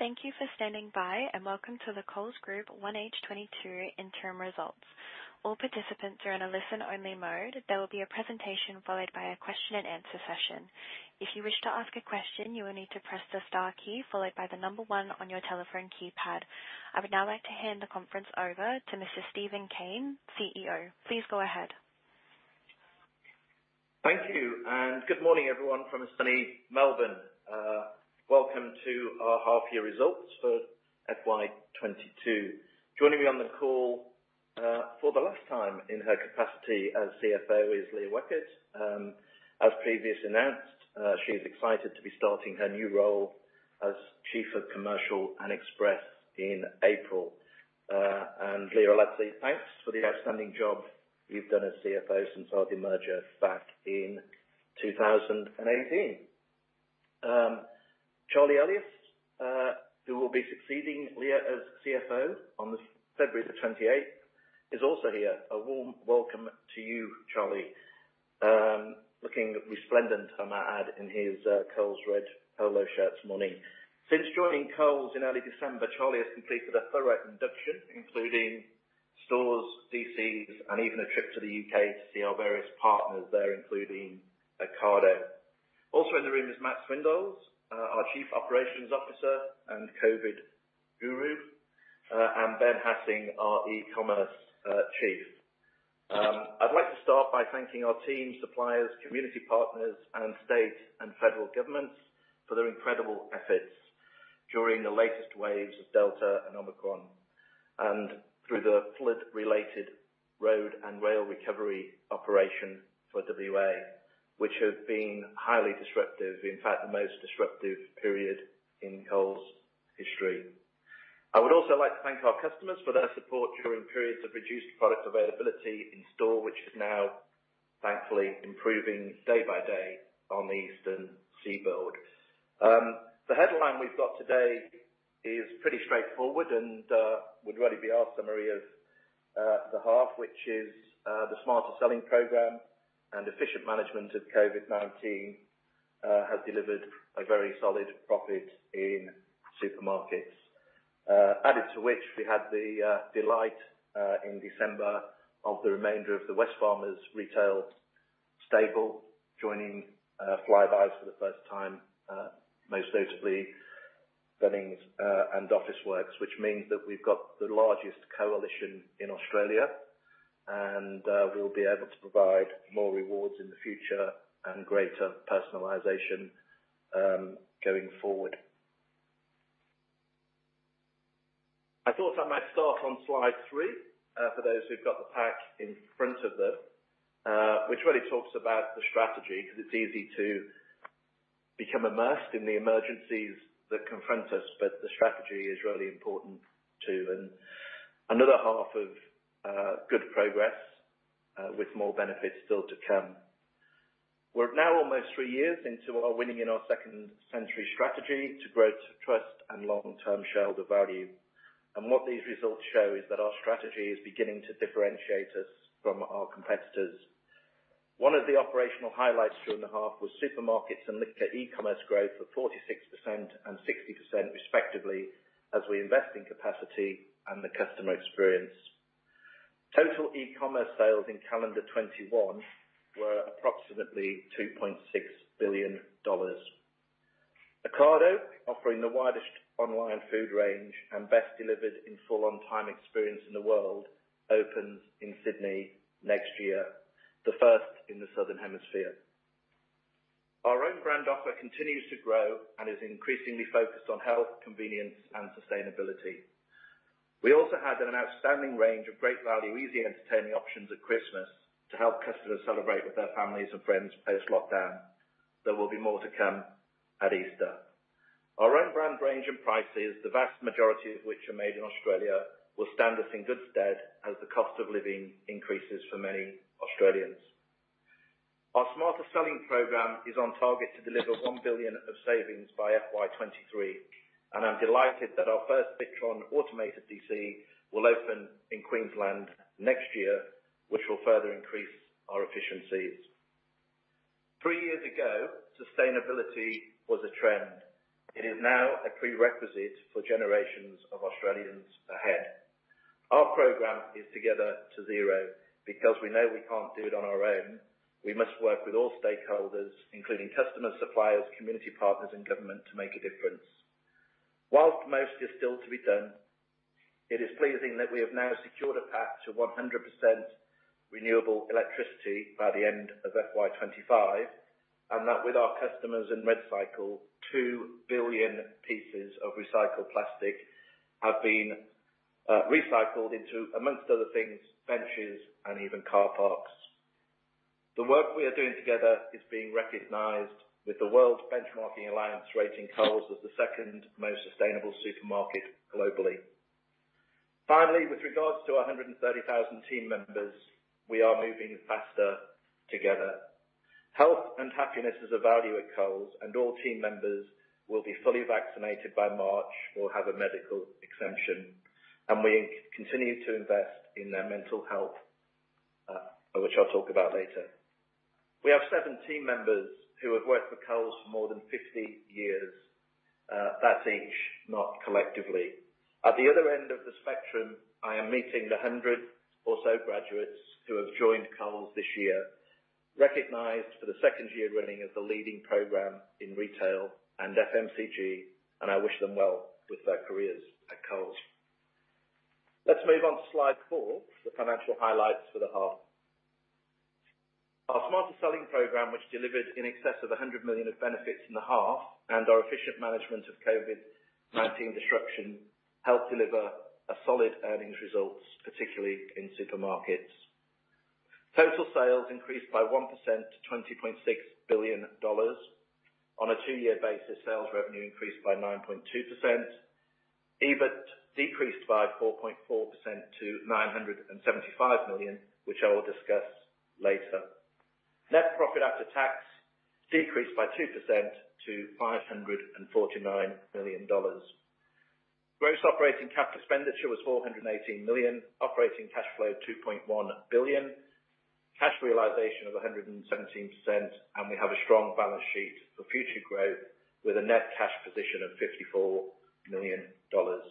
Thank you for standing by, and welcome to the Coles Group 1H 2022 interim results. All participants are in a listen-only mode. There will be a presentation followed by a question and answer session. If you wish to ask a question, you will need to press the star key followed by the number one on your telephone keypad. I would now like to hand the conference over to Mr. Steven Cain, CEO. Please go ahead. Thank you, and good morning, everyone from sunny Melbourne. Welcome to our half year results for FY 2022. Joining me on the call, for the last time in her capacity as CFO is Leah Weckert. As previously announced, she is excited to be starting her new role as Chief of Commercial and Express in April. Leah, I'd like to say thanks for the outstanding job you've done as CFO since our demerger back in 2018. Charlie Elias, who will be succeeding Leah as CFO on February 28, is also here. A warm welcome to you, Charlie. Looking resplendent I might add in his Coles red polo shirt this morning. Since joining Coles in early December, Charlie has completed a thorough induction, including stores, DCs, and even a trip to the U.K. to see our various partners there, including Ocado. Also in the room is Max Windels, our Chief Operations Officer and COVID guru, and Ben Hassing, our eCommerce Chief. I'd like to start by thanking our team, suppliers, community partners, and state and federal governments for their incredible efforts during the latest waves of Delta and Omicron, and through the flood-related road and rail recovery operation for WA, which has been highly disruptive, in fact, the most disruptive period in Coles history. I would also like to thank our customers for their support during periods of reduced product availability in store, which is now thankfully improving day by day on the Eastern Seaboard. The headline we've got today is pretty straightforward and would really be our summary of the half, which is the Smarter Selling program and efficient management of COVID-19 has delivered a very solid profit in supermarkets. Added to which we had the delight in December of the remainder of the Wesfarmers retail stable joining Flybuys for the first time most notably Bunnings and Officeworks, which means that we've got the largest coalition in Australia, and we'll be able to provide more rewards in the future and greater personalization going forward. I thought I might start on slide three for those who've got the pack in front of them which really talks about the strategy because it's easy to become immersed in the emergencies that confront us, but the strategy is really important, too. Another half of good progress with more benefits still to come. We're now almost three years into our Winning in our Second Century strategy to grow trust and long-term shareholder value. What these results show is that our strategy is beginning to differentiate us from our competitors. One of the operational highlights during the half was supermarkets and liquor e-commerce growth of 46% and 60% respectively as we invest in capacity and the customer experience. Total e-commerce sales in calendar 2021 were approximately 2.6 billion dollars. Ocado, offering the widest online food range and best delivered in full on time experience in the world, opens in Sydney next year, the first in the Southern Hemisphere. Our own brand offer continues to grow and is increasingly focused on health, convenience, and sustainability. We also had an outstanding range of great value, easy entertaining options at Christmas to help customers celebrate with their families and friends post-lockdown. There will be more to come at Easter. Our own brand range and prices, the vast majority of which are made in Australia, will stand us in good stead as the cost of living increases for many Australians. Our Smarter Selling program is on target to deliver 1 billion of savings by FY 2023, and I'm delighted that our first Picktron automated DC will open in Queensland next year, which will further increase our efficiencies. Three years ago, sustainability was a trend. It is now a prerequisite for generations of Australians ahead. Our program is Together to Zero because we know we can't do it on our own. We must work with all stakeholders, including customers, suppliers, community partners, and government to make a difference. While most is still to be done, it is pleasing that we have now secured a path to 100% renewable electricity by the end of FY 2025, and that with our customers in REDcycle, 2 billion pieces of recycled plastic have been recycled into, among other things, benches and even car parks. The work we are doing together is being recognized with the World Benchmarking Alliance rating Coles as the second most sustainable supermarket globally. Finally, with regards to our 130,000 team members, we are moving faster together. Health and happiness is a value at Coles, and all team members will be fully vaccinated by March or have a medical exemption, and we continue to invest in their mental health, which I'll talk about later. We have seven team members who have worked for Coles for more than 50 years. That's each, not collectively. At the other end of the spectrum, I am meeting the 100 or so graduates who have joined Coles this year, recognized for the second year running as the leading program in retail and FMCG, and I wish them well with their careers at Coles. Let's move on to slide four, the financial highlights for the half. Our Smarter Selling program, which delivered in excess of 100 million of benefits in the half, and our efficient management of COVID-19 disruption helped deliver a solid earnings results, particularly in supermarkets. Total sales increased by 1% to 20.6 billion dollars. On a two-year basis, sales revenue increased by 9.2%. EBIT decreased by 4.4% to 975 million, which I will discuss later. Net profit after tax decreased by 2% to 549 million dollars. Gross operating capital expenditure was 418 million. Operating cash flow 2.1 billion. Cash realization of 117%. We have a strong balance sheet for future growth with a net cash position of 54 million dollars.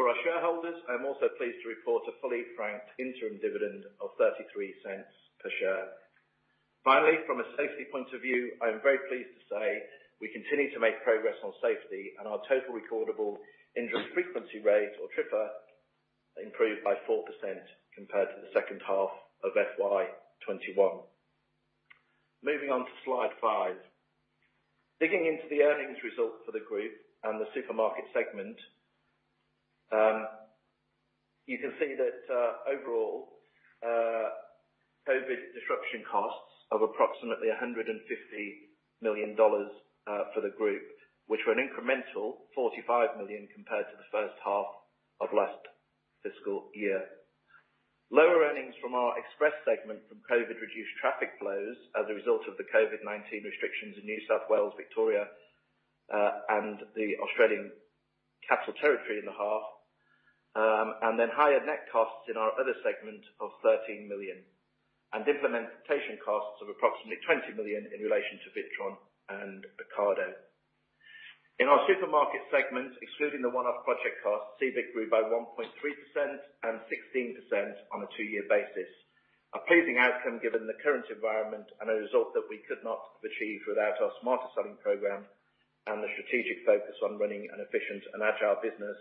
For our shareholders, I'm also pleased to report a fully franked interim dividend of 0.33 per share. Finally, from a safety point of view, I am very pleased to say we continue to make progress on safety and our total recordable injury frequency rate, or TRIFR, improved by 4% compared to the second half of FY 2021. Moving on to slide five. Digging into the earnings results for the group and the supermarket segment, you can see that overall, COVID disruption costs of approximately 150 million dollars for the group, which were an incremental 45 million compared to the first half of last fiscal year. Lower earnings from our express segment from COVID reduced traffic flows as a result of the COVID-19 restrictions in New South Wales, Victoria, and the Australian Capital Territory in the half. Higher net costs in our other segment of 13 million. Implementation costs of approximately 20 million in relation to Witron and Ocado. In our supermarket segment, excluding the one-off project costs, CODB grew by 1.3% and 16% on a two-year basis. A pleasing outcome given the current environment and a result that we could not have achieved without our Smarter Selling program and the strategic focus on running an efficient and agile business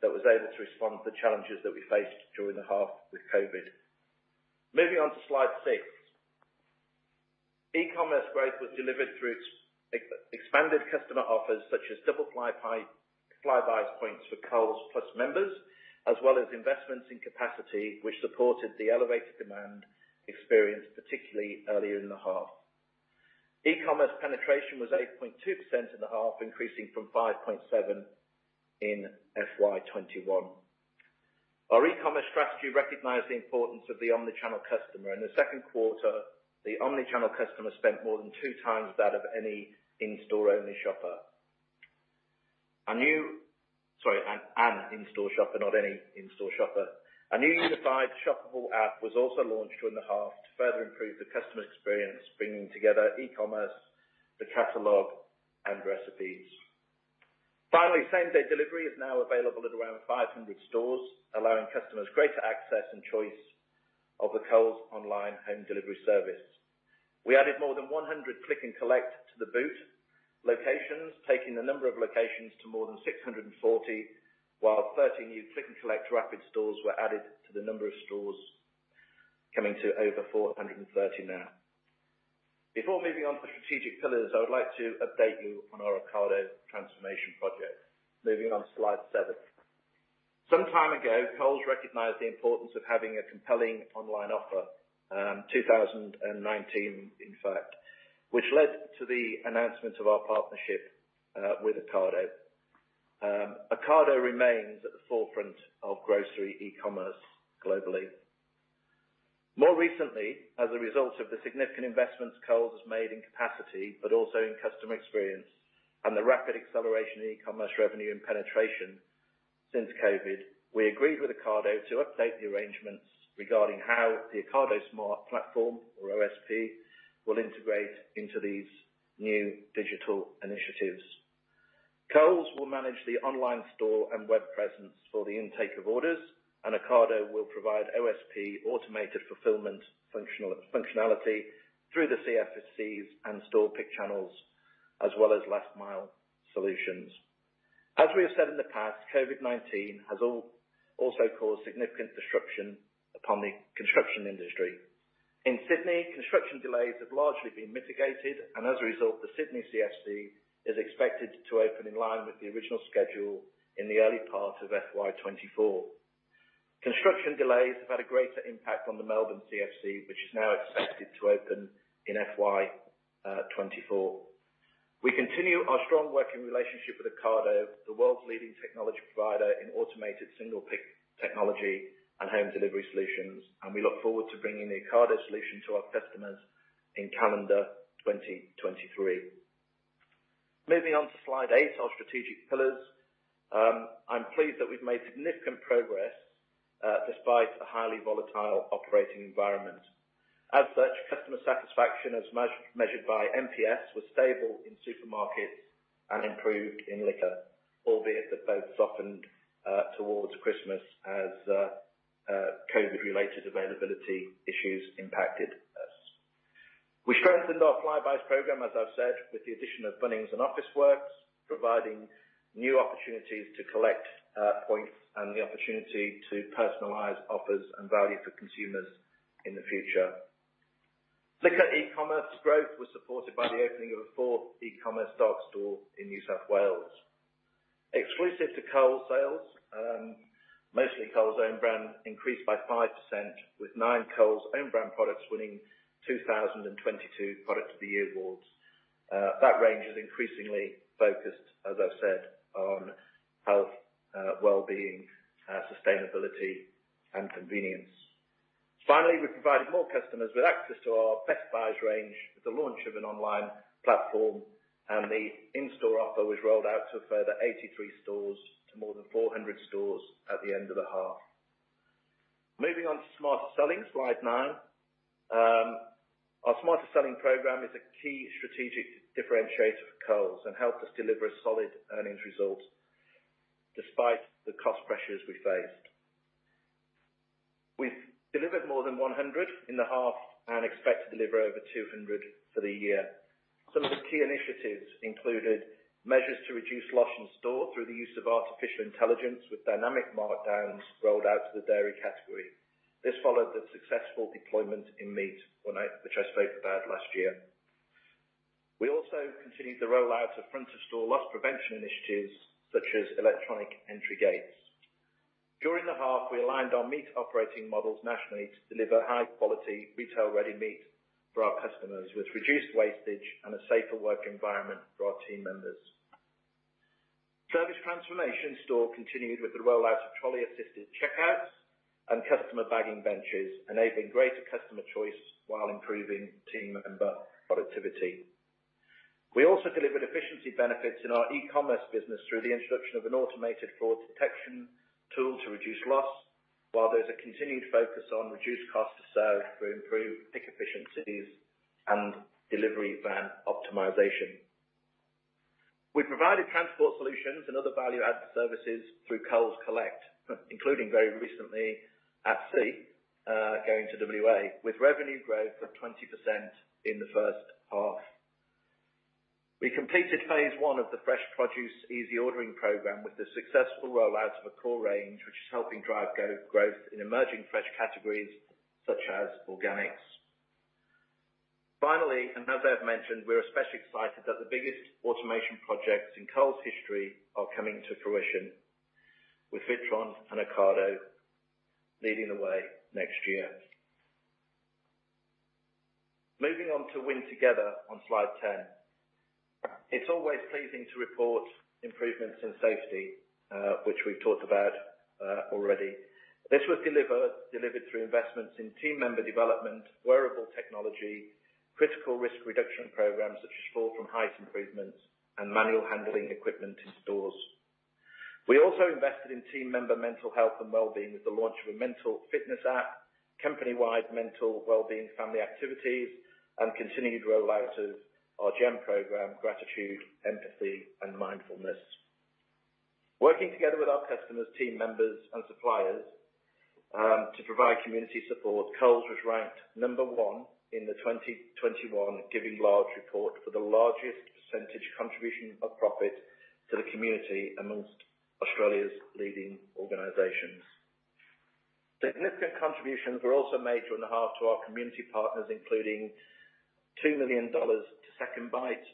that was able to respond to the challenges that we faced during the half with COVID. Moving on to slide six. E-commerce growth was delivered through expanded customer offers such as double Flybuys points for Coles Plus members, as well as investments in capacity, which supported the elevated demand experienced particularly earlier in the half. E-commerce penetration was 8.2% in the half, increasing from 5.7% in FY 2021. Our e-commerce strategy recognized the importance of the omni-channel customer. In the second quarter, the omni-channel customer spent more than 2x that of an in-store shopper, not any in-store shopper. A new unified shoppable app was also launched during the half to further improve the customer experience, bringing together e-commerce, the catalog, and recipes. Finally, same-day delivery is now available at around 500 stores, allowing customers greater access and choice of the Coles online home delivery service. We added more than 100 Click & Collect to the Boot locations, taking the number of locations to more than 640, while 30 new Click&Collect Rapid stores were added to the number of stores, coming to over 430 now. Before moving on to strategic pillars, I would like to update you on our Ocado transformation project. Moving on to slide seven. Some time ago, Coles recognized the importance of having a compelling online offer, 2019, in fact, which led to the announcement of our partnership with Ocado. Ocado remains at the forefront of grocery e-commerce globally. More recently, as a result of the significant investments Coles has made in capacity, but also in customer experience and the rapid acceleration in e-commerce revenue and penetration since COVID, we agreed with Ocado to update the arrangements regarding how the Ocado Smart Platform, or OSP, will integrate into these new digital initiatives. Coles will manage the online store and web presence for the intake of orders, and Ocado will provide OSP automated fulfillment functionality through the CFCs and store pick channels, as well as last mile solutions. As we have said in the past, COVID-19 has also caused significant disruption upon the construction industry. In Sydney, construction delays have largely been mitigated and as a result, the Sydney CFC is expected to open in line with the original schedule in the early part of FY 2024. Construction delays have had a greater impact on the Melbourne CFC, which is now expected to open in FY 2024. We continue our strong working relationship with Ocado, the world's leading technology provider in automated single pick technology and home delivery solutions, and we look forward to bringing the Ocado solution to our customers in calendar 2023. Moving on to slide eight, our strategic pillars. I'm pleased that we've made significant progress, despite a highly volatile operating environment. As such, customer satisfaction as measured by NPS was stable in supermarkets and improved in liquor, albeit that both softened towards Christmas as COVID-related availability issues impacted us. We strengthened our Flybuys program, as I've said, with the addition of Bunnings and Officeworks, providing new opportunities to collect points and the opportunity to personalize offers and value for consumers in the future. Liquor e-commerce growth was supported by the opening of a fourth e-commerce dark store in New South Wales. Exclusive to Coles sales, mostly Coles own brand increased by 5% with nine Coles own brand products winning 2022 Product of the Year awards. That range is increasingly focused, as I've said, on health, wellbeing, sustainability and convenience. Finally, we provided more customers with access to our Best Buys range with the launch of an online platform, and the in-store offer was rolled out to a further 83 stores to more than 400 stores at the end of the half. Moving on to Smarter Selling, slide nine. Our Smarter Selling program is a key strategic differentiator for Coles and helped us deliver a solid earnings result despite the cost pressures we faced. We've delivered more than 100 in the half and expect to deliver over 200 for the year. Some of the key initiatives included measures to reduce loss in store through the use of artificial intelligence with dynamic markdowns rolled out to the dairy category. This followed the successful deployment in meat which I spoke about last year. We also continued the rollout of front of store loss prevention initiatives such as electronic entry gates. During the half, we aligned our meat operating models nationally to deliver high quality retail ready meat for our customers with reduced wastage and a safer work environment for our team members. Service transformation in store continued with the rollout of trolley-assisted checkouts and customer bagging benches, enabling greater customer choice while improving team member productivity. We also delivered efficiency benefits in our e-commerce business through the introduction of an automated fraud detection tool to reduce loss. While there's a continued focus on reduced cost to serve to improve pick efficiencies and delivery van optimization. We provided transport solutions and other value-added services through Coles Collect, including very recently in SA going to WA with revenue growth of 20% in the first half. We completed phase one of the fresh produce easy ordering program with the successful rollout of a core range, which is helping drive growth in emerging fresh categories such as organics. Finally, and as I've mentioned, we're especially excited that the biggest automation projects in Coles history are coming to fruition with Witron and Ocado leading the way next year. Moving on to win together on slide 10. It's always pleasing to report improvements in safety, which we've talked about already. This was delivered through investments in team member development, wearable technology, critical risk reduction programs such as fall from height improvements and manual handling equipment in stores. We also invested in team member mental health and wellbeing with the launch of a mental fitness app, company-wide mental wellbeing family activities, and continued rollouts of our GEM program, Gratitude, Empathy, and Mindfulness. Working together with our customers, team members, and suppliers to provide community support, Coles was ranked number 1 in the 2021 GivingLarge report for the largest percentage contribution of profit to the community amongst Australia's leading organizations. Significant contributions were also made during the half to our community partners, including 2 million dollars to SecondBite,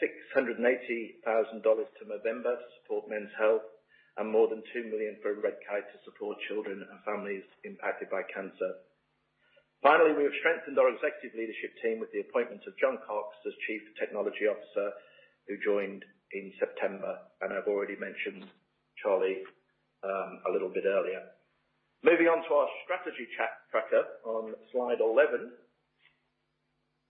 680,000 dollars to November to support men's health, and more than 2 million for Red Cross to support children and families impacted by cancer. Finally, we have strengthened our executive leadership team with the appointment of John Cox as Chief Technology Officer, who joined in September. I've already mentioned Charlie a little bit earlier. Moving on to our strategy chat tracker on slide 11.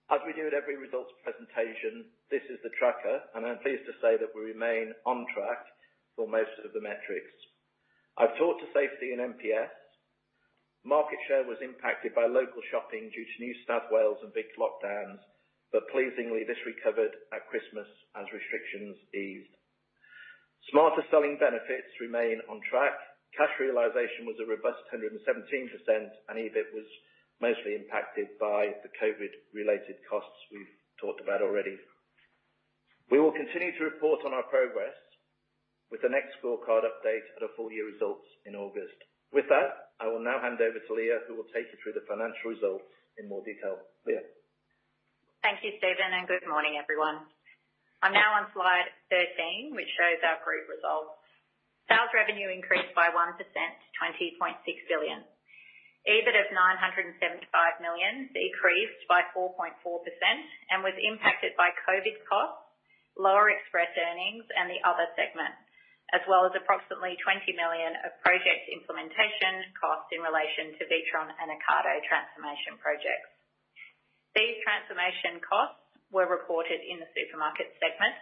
As we do at every results presentation, this is the tracker, and I'm pleased to say that we remain on track for most of the metrics. I've talked to safety and NPS. Market share was impacted by local shopping due to New South Wales and Vic lockdowns, but pleasingly this recovered at Christmas as restrictions eased. Smarter Selling benefits remain on track. Cash realization was a robust 117%, and EBIT was mostly impacted by the COVID related costs we've talked about already. We will continue to report on our progress with the next scorecard update at our full year results in August. With that, I will now hand over to Leah, who will take you through the financial results in more detail. Leah. Thank you, Steven, and good morning, everyone. I'm now on slide 13, which shows our group results. Sales revenue increased by 1% to 20.6 billion. EBIT of 975 million decreased by 4.4% and was impacted by COVID costs, lower Express earnings in the Other segment, as well as approximately 20 million of project implementation costs in relation to Witron and Ocado transformation projects. These transformation costs were reported in the Supermarket segment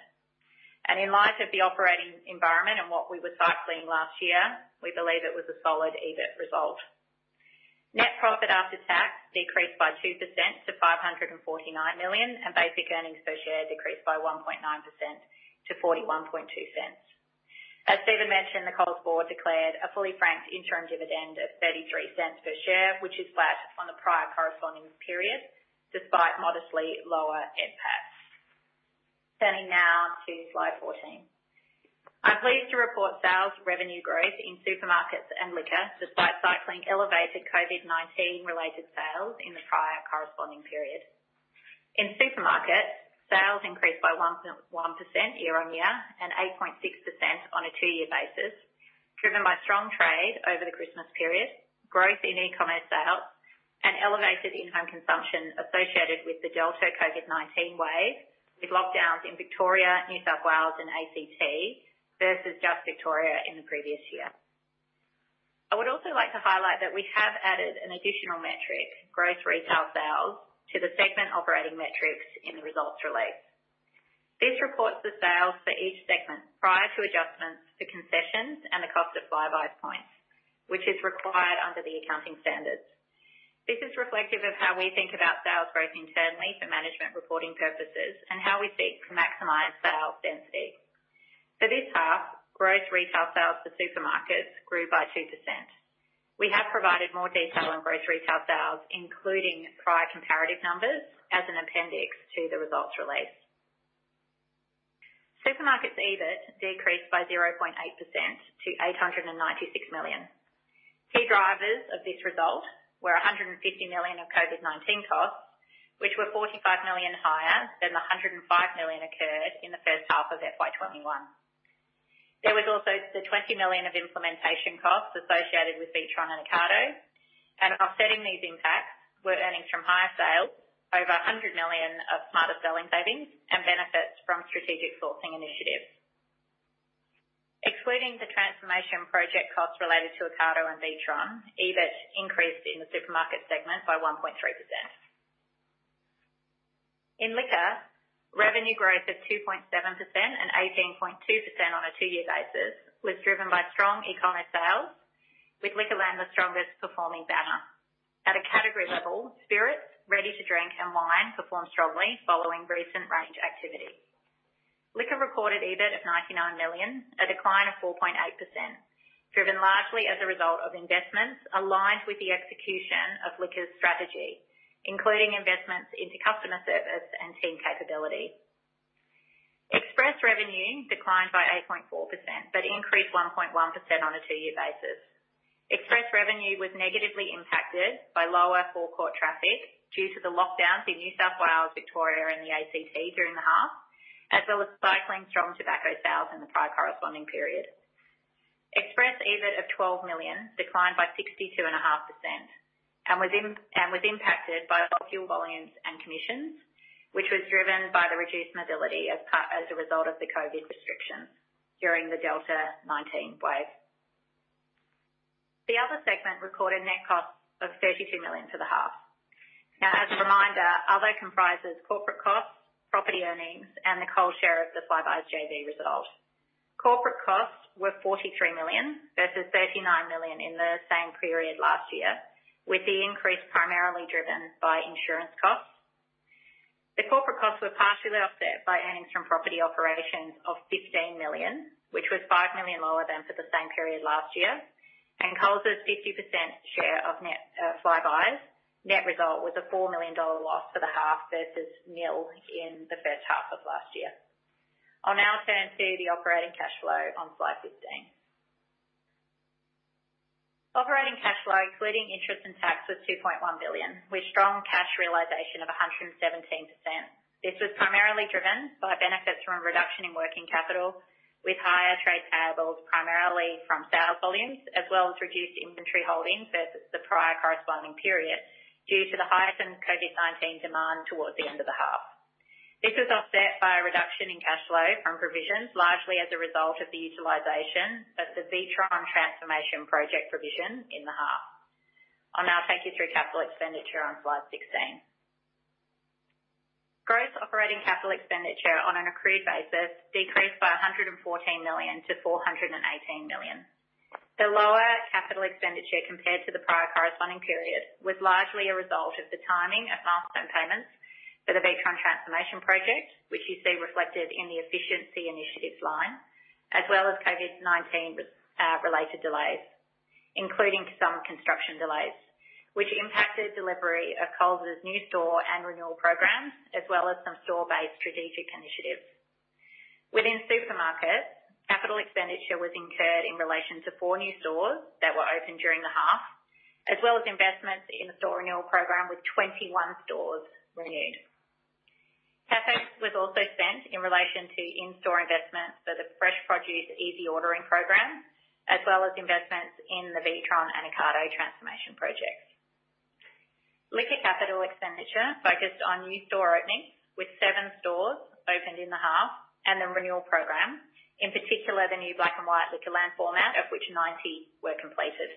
and in light of the operating environment and what we were cycling last year, we believe it was a solid EBIT result. Net profit after tax decreased by 2% to 549 million, and basic earnings per share decreased by 1.9% to 0.412. As Steven mentioned, the Coles Board declared a fully franked interim dividend of 0.33 per share, which is flat on the prior corresponding period, despite modestly lower NPAT. Turning now to slide 14. I'm pleased to report sales revenue growth in supermarkets and liquor, despite cycling elevated COVID-19 related sales in the prior corresponding period. In supermarkets, sales increased by 1.11% year-on-year, and 8.6% on a two-year basis, driven by strong trade over the Christmas period, growth in e-commerce sales and elevated in-home consumption associated with the Delta COVID-19 wave, with lockdowns in Victoria, New South Wales and ACT versus just Victoria in the previous year. I would also like to highlight that we have added an additional metric, gross retail sales, to the segment operating metrics in the results release. This reports the sales for each segment prior to adjustments for concessions and the cost of Flybuys points, which is required under the accounting standards. This is reflective of how we think about sales growth internally for management reporting purposes and how we seek to maximize sale density. For this half, gross retail sales for supermarkets grew by 2%. We have provided more detail on gross retail sales, including prior comparative numbers as an appendix to the results released. Supermarkets EBIT decreased by 0.8% to 896 million. Key drivers of this result were 150 million of COVID-19 costs, which were 45 million higher than the 105 million incurred in the first half of FY 2021. There was also the 20 million of implementation costs associated with Witron and Ocado. Offsetting these impacts were earnings from higher sales, over 100 million of Smarter Selling savings and benefits from strategic sourcing initiatives. Excluding the transformation project costs related to Ocado and Witron, EBIT increased in the supermarket segment by 1.3%. In liquor, revenue growth of 2.7% and 18.2% on a 2-year basis was driven by strong e-commerce sales, with Liquorland the strongest performing banner. At a category level, spirits, ready to drink and wine performed strongly following recent range activity. Liquor reported EBIT of AUD 99 million, a decline of 4.8%, driven largely as a result of investments aligned with the execution of liquor's strategy, including investments into customer service and team capability. Express revenue declined by 8.4%, but increased 1.1% on a two-year basis. Express revenue was negatively impacted by lower forecourt traffic due to the lockdowns in New South Wales, Victoria, and the ACT during the half, as well as cycling strong tobacco sales in the prior corresponding period. Express EBIT of AUD 12 million declined by 62.5% and was impacted by fuel volumes and commissions, which was driven by the reduced mobility as a result of the COVID restrictions during the Delta 19 wave. The other segment recorded net costs of 32 million for the half. Now, as a reminder, other comprises corporate costs, property earnings and the Coles share of the Flybuys JV result. Corporate costs were AUD 43 million versus AUD 39 million in the same period last year, with the increase primarily driven by insurance costs. The corporate costs were partially offset by earnings from property operations of 15 million, which was 5 million lower than for the same period last year, and Coles's 50% share of net Flybuys net result was an 4 million dollar loss for the half versus nil in the first half of last year. I'll now turn to the operating cash flow on slide 15. Operating cash flow, excluding interest and tax, was 2.1 billion, with strong cash realization of 117%. This was primarily driven by benefits from a reduction in working capital, with higher trade payables primarily from sales volumes, as well as reduced inventory holdings versus the prior corresponding period due to the heightened COVID-19 demand towards the end of the half. This was offset by a reduction in cash flow from provisions, largely as a result of the utilization of the Witron transformation project provision in the half. I'll now take you through capital expenditure on slide 16. Gross operating capital expenditure on an accrued basis decreased by 114 million to 418 million. The lower capital expenditure compared to the prior corresponding period was largely a result of the timing of milestone payments for the Witron transformation project, which you see reflected in the efficiency initiatives line, as well as COVID-19 related delays, including some construction delays, which impacted delivery of Coles's new store and renewal programs, as well as some store-based strategic initiatives. Within supermarkets, capital expenditure was incurred in relation to four new stores that were opened during the half, as well as investments in the store renewal program, with 21 stores renewed. CapEx was also spent in relation to in-store investments for the fresh produce easy ordering program, as well as investments in the Witron and Ocado transformation projects. Liquor capital expenditure focused on new store openings, with seven stores opened in the half and the renewal program, in particular, the new Black & White Liquorland format, of which 90 were completed.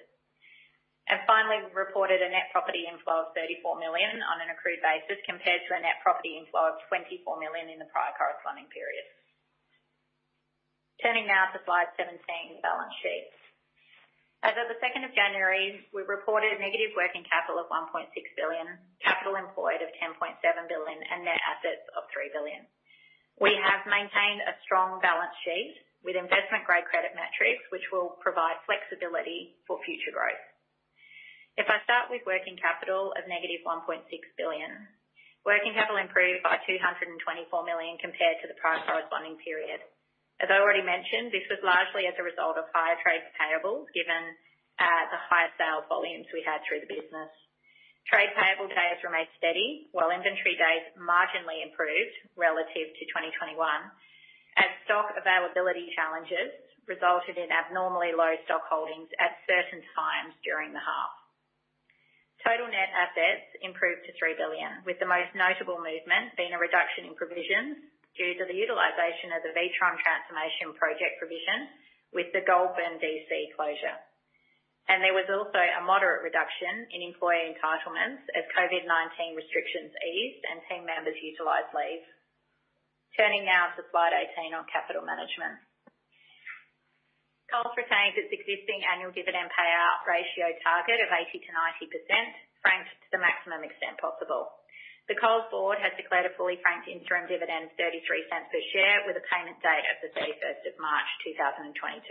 Finally, we reported a net property inflow of 34 million on an accrued basis compared to a net property inflow of 24 million in the prior corresponding period. Turning now to slide 17, balance sheet. As of 2 January, we reported negative working capital of 1.6 billion, capital employed of 10.7 billion, and net assets of 3 billion. We have maintained a strong balance sheet with investment-grade credit metrics, which will provide flexibility for future growth. If I start with working capital of negative 1.6 billion, working capital improved by 224 million compared to the prior corresponding period. As I already mentioned, this was largely as a result of higher trade payables, given the higher sales volumes we had through the business. Trade payable days remained steady, while inventory days marginally improved relative to 2021 as stock availability challenges resulted in abnormally low stock holdings at certain times during the half. Total net assets improved to 3 billion, with the most notable movement being a reduction in provisions due to the utilization of the Witron transformation project provision with the Goulburn DC closure. There was also a moderate reduction in employee entitlements as COVID-19 restrictions eased and team members utilized leave. Turning now to slide 18 on capital management. Coles retains its existing annual dividend payout ratio target of 80% to 90%, franked to the maximum extent possible. The Coles board has declared a fully franked interim dividend of AUD 0.33 per share with a payment date of the 31st of March 2022.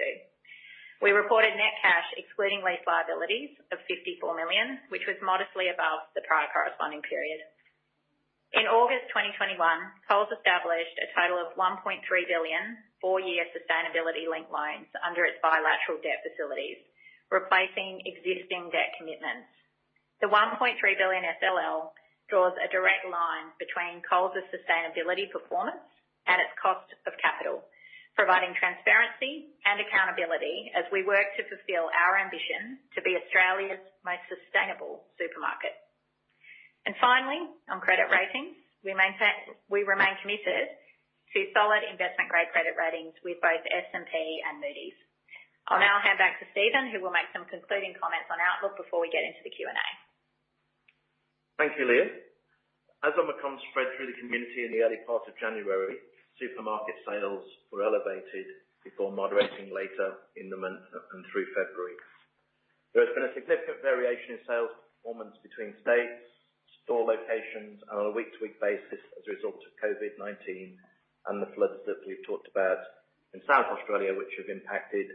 We reported net cash excluding lease liabilities of 54 million, which was modestly above the prior corresponding period. In August 2021, Coles established a total of 1.3 billion four-year sustainability-linked loans under its bilateral debt facilities, replacing existing debt commitments. The 1.3 billion SLL draws a direct line between Coles' sustainability performance and its cost of capital, providing transparency and accountability as we work to fulfill our ambition to be Australia's most sustainable supermarket. Finally, on credit ratings, we remain committed to solid investment-grade credit ratings with both S&P and Moody's. I'll now hand back to Steven, who will make some concluding comments on outlook before we get into the Q&A. Thank you, Leah. As Omicron spread through the community in the early part of January, supermarket sales were elevated before moderating later in the month and through February. There has been a significant variation in sales performance between states, store locations, and on a week-to-week basis as a result of COVID-19 and the floods that we've talked about in South Australia, which have impacted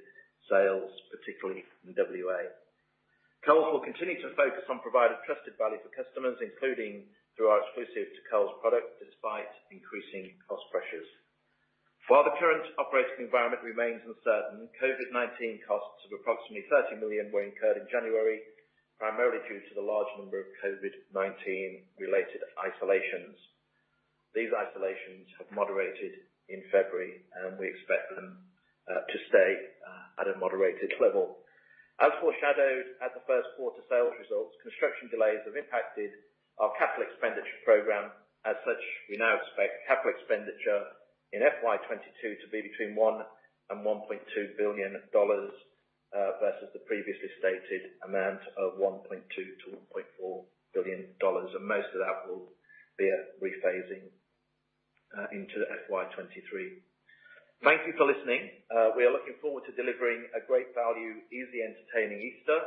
sales, particularly in WA. Coles will continue to focus on providing trusted value for customers, including through our exclusive to Coles product, despite increasing cost pressures. While the current operating environment remains uncertain, COVID-19 costs of approximately 30 million were incurred in January, primarily due to the large number of COVID-19 related isolations. These isolations have moderated in February, and we expect them to stay at a moderated level. As foreshadowed at the first quarter sales results, construction delays have impacted our capital expenditure program. As such, we now expect capital expenditure in FY 2022 to be between 1 billion and 1.2 billion dollars versus the previously stated amount of 1.2 billion-1.4 billion dollars. Most of that will be a rephasing into FY 2023. Thank you for listening. We are looking forward to delivering a great value, easy, entertaining Easter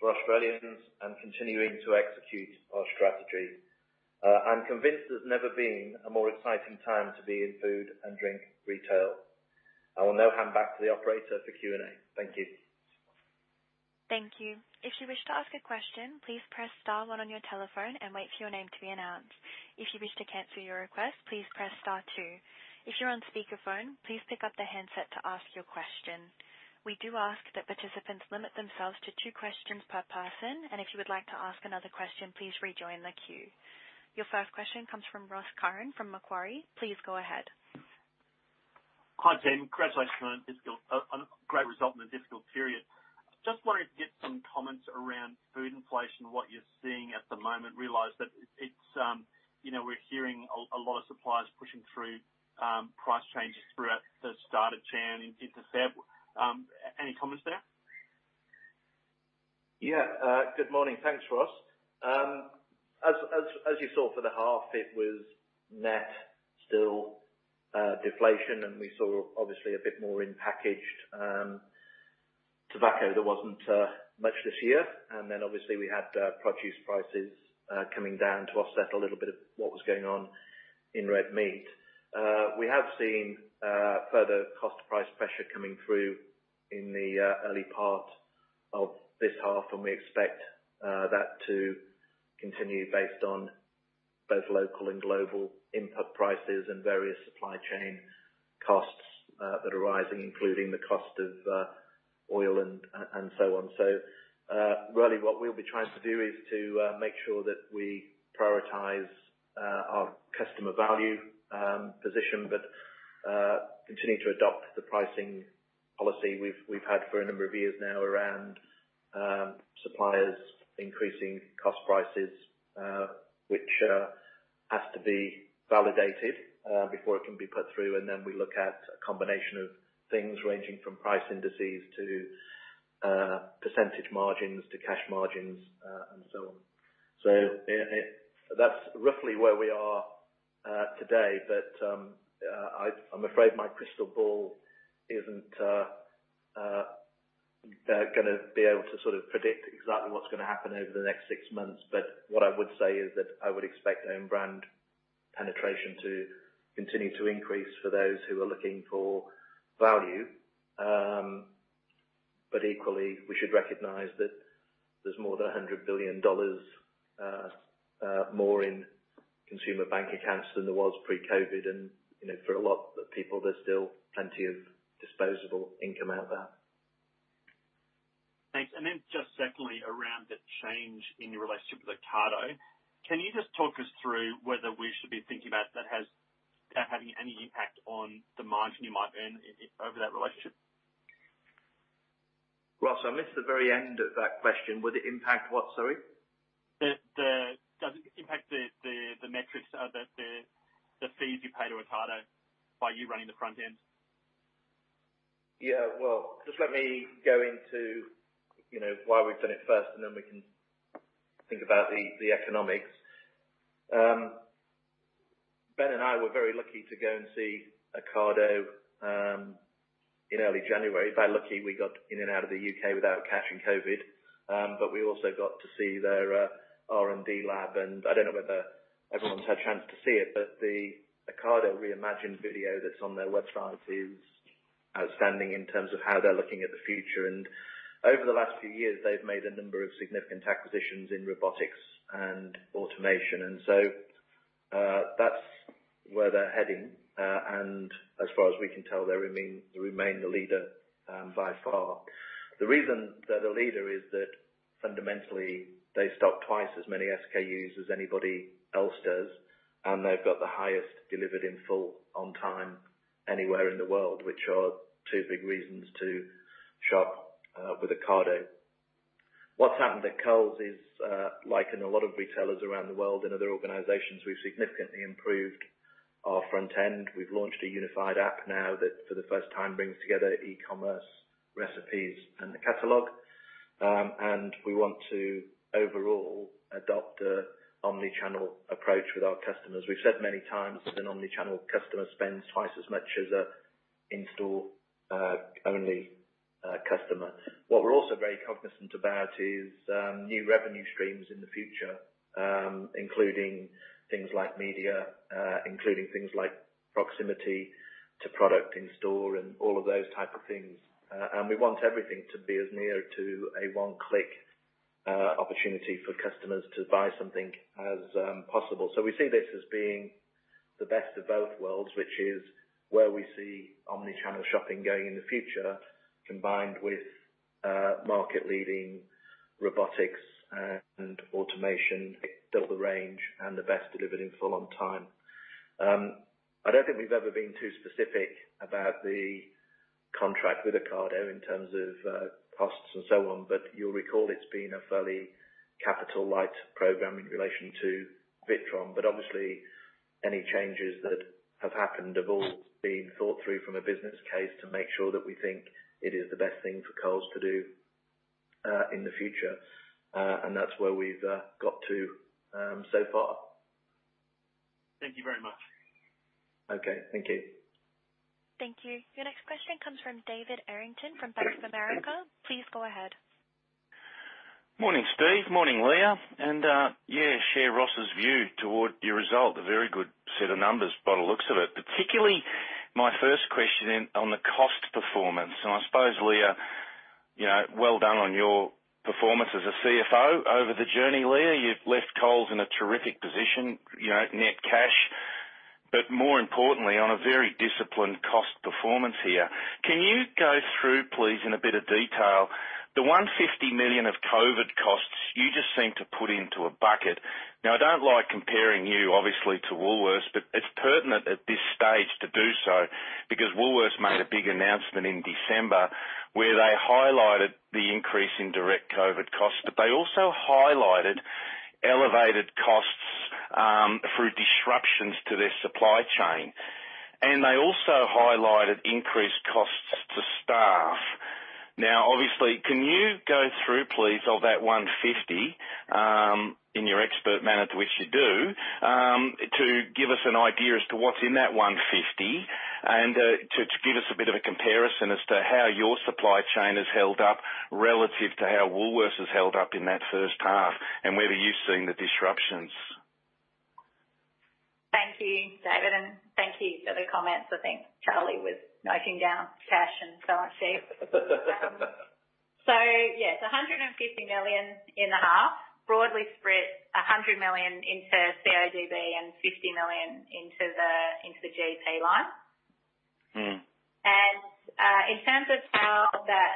for Australians and continuing to execute our strategy. I'm convinced there's never been a more exciting time to be in food and drink retail. I will now hand back to the operator for Q&A. Thank you. Thank you. If you wish to ask a question, please press star one on your telephone and wait for your name to be announced. If you wish to cancel your request, please press star two. If you're on speakerphone, please pick up the handset to ask your question. We do ask that participants limit themselves to two questions per person, and if you would like to ask another question, please rejoin the queue. Your first question comes from Ross Curran from Macquarie. Please go ahead. Hi, Steven. Congratulations on a great result in a difficult period. Just wanted to get some comments around food inflation, what you're seeing at the moment. Realize that we're hearing a lot of suppliers pushing through price changes throughout the start of January into February. Any comments there? Yeah. Good morning. Thanks, Ross. As you saw for the half, it was net still deflation, and we saw obviously a bit more in packaged tobacco. There wasn't much this year. Obviously we had produce prices coming down to offset a little bit of what was going on in red meat. We have seen further cost price pressure coming through in the early part of this half, and we expect that to continue based on both local and global input prices and various supply chain costs that are rising, including the cost of oil and so on. Really what we'll be trying to do is to make sure that we prioritize our customer value position, but continue to adopt the pricing policy we've had for a number of years now around suppliers increasing cost prices, which has to be validated before it can be put through. We look at a combination of things ranging from price indices to percentage margins to cash margins, and so on. That's roughly where we are today. I'm afraid my crystal ball isn't gonna be able to sort of predict exactly what's gonna happen over the next six months. What I would say is that I would expect own brand penetration to continue to increase for those who are looking for value. equally, we should recognize that there's more than 100 billion dollars more in consumer bank accounts than there was pre-COVID. You know, for a lot of people, there's still plenty of disposable income out there. Thanks. Just secondly, around the change in your relationship with Ocado, can you just talk us through whether we should be thinking about that having any impact on the margin you might earn over that relationship? Ross, I missed the very end of that question. Would it impact what, sorry? Does it impact the metrics, the fees you pay to Ocado by you running the front end? Yeah. Well, just let me go into, you know, why we've done it first, and then we can think about the economics. Ben and I were very lucky to go and see Ocado in early January. By lucky, we got in and out of the U.K. without catching COVID. But we also got to see their R&D lab, and I don't know whether everyone's had a chance to see it, but the Ocado Re:Imagined video that's on their website is outstanding in terms of how they're looking at the future. Over the last few years, they've made a number of significant acquisitions in robotics and automation. That's where they're heading. And as far as we can tell, they remain the leader by far. The reason they're the leader is that fundamentally, they stock twice as many SKUs as anybody else does, and they've got the highest delivered in full on time anywhere in the world, which are two big reasons to shop with Ocado. What's happened at Coles is, like in a lot of retailers around the world and other organizations, we've significantly improved our front end. We've launched a unified app now that for the first time brings together e-commerce, recipes, and the catalog. We want to overall adopt an omni-channel approach with our customers. We've said many times an omni-channel customer spends twice as much as an in-store only customer. What we're also very cognizant about is new revenue streams in the future, including things like media, including things like proximity to product in store and all of those type of things. We want everything to be as near to a one-click opportunity for customers to buy something as possible. We see this as being the best of both worlds, which is where we see omni-channel shopping going in the future, combined with market-leading robotics and automation, double the range, and the best delivered in full on time. I don't think we've ever been too specific about the contract with Ocado in terms of costs and so on, but you'll recall it's been a fairly capital light program in relation to Witron. Obviously, any changes that have happened have all been thought through from a business case to make sure that we think it is the best thing for Coles to do in the future. That's where we've got to so far. Thank you very much. Okay. Thank you. Thank you. Your next question comes from David Errington from Bank of America. Please go ahead. Morning, Steve. Morning, Leah. Yeah, share Ross's view toward your result. A very good set of numbers by the looks of it. Particularly, my first question is on the cost performance, and I suppose, Leah, you know, well done on your performance as a CFO over the journey, Leah. You've left Coles in a terrific position, you know, net cash, but more importantly on a very disciplined cost performance here. Can you go through, please, in a bit of detail, the 150 million of COVID costs you just seemed to put into a bucket. Now, I don't like comparing you obviously to Woolworths, but it's pertinent at this stage to do so, because Woolworths made a big announcement in December where they highlighted the increase in direct COVID costs. They also highlighted elevated costs through disruptions to their supply chain. They also highlighted increased costs to staff. Now, obviously, can you go through, please, that 150 in your expert manner in which you do to give us an idea as to what's in that 150 and to give us a bit of a comparison as to how your supply chain has held up relative to how Woolworths has held up in that first half and whether you've seen the disruptions. Thank you, David, and thank you for the comments. I think Charlie was noting down cash and so on, Steve. Yes, 150 million in the half broadly spread 100 million into CODB and 50 million into the GP line. Mm. In terms of how that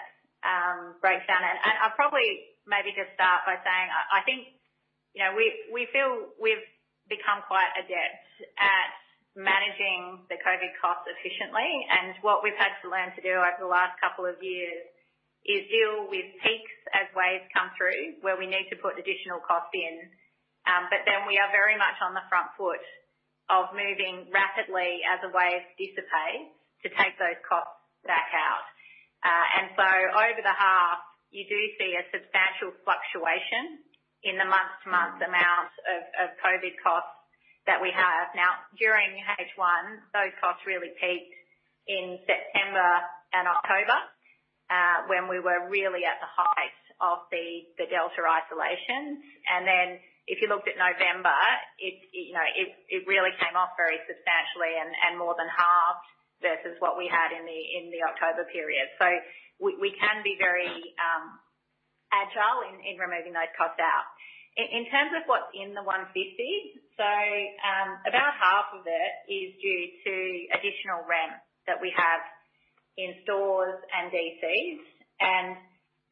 Break it down. I'll probably maybe just start by saying I think, you know, we feel we've become quite adept at managing the COVID costs efficiently. What we've had to learn to do over the last couple of years is deal with peaks as waves come through, where we need to put additional costs in. We are very much on the front foot of moving rapidly as the waves dissipate to take those costs back out. Over the half, you do see a substantial fluctuation in the month-to-month amounts of COVID costs that we have. During H1, those costs really peaked in September and October, when we were really at the height of the Delta isolations. If you looked at November, it really came off very substantially and more than halved versus what we had in the October period. We can be very agile in removing those costs out. In terms of what's in the 150, about half of it is due to additional rent that we have in stores and DCs.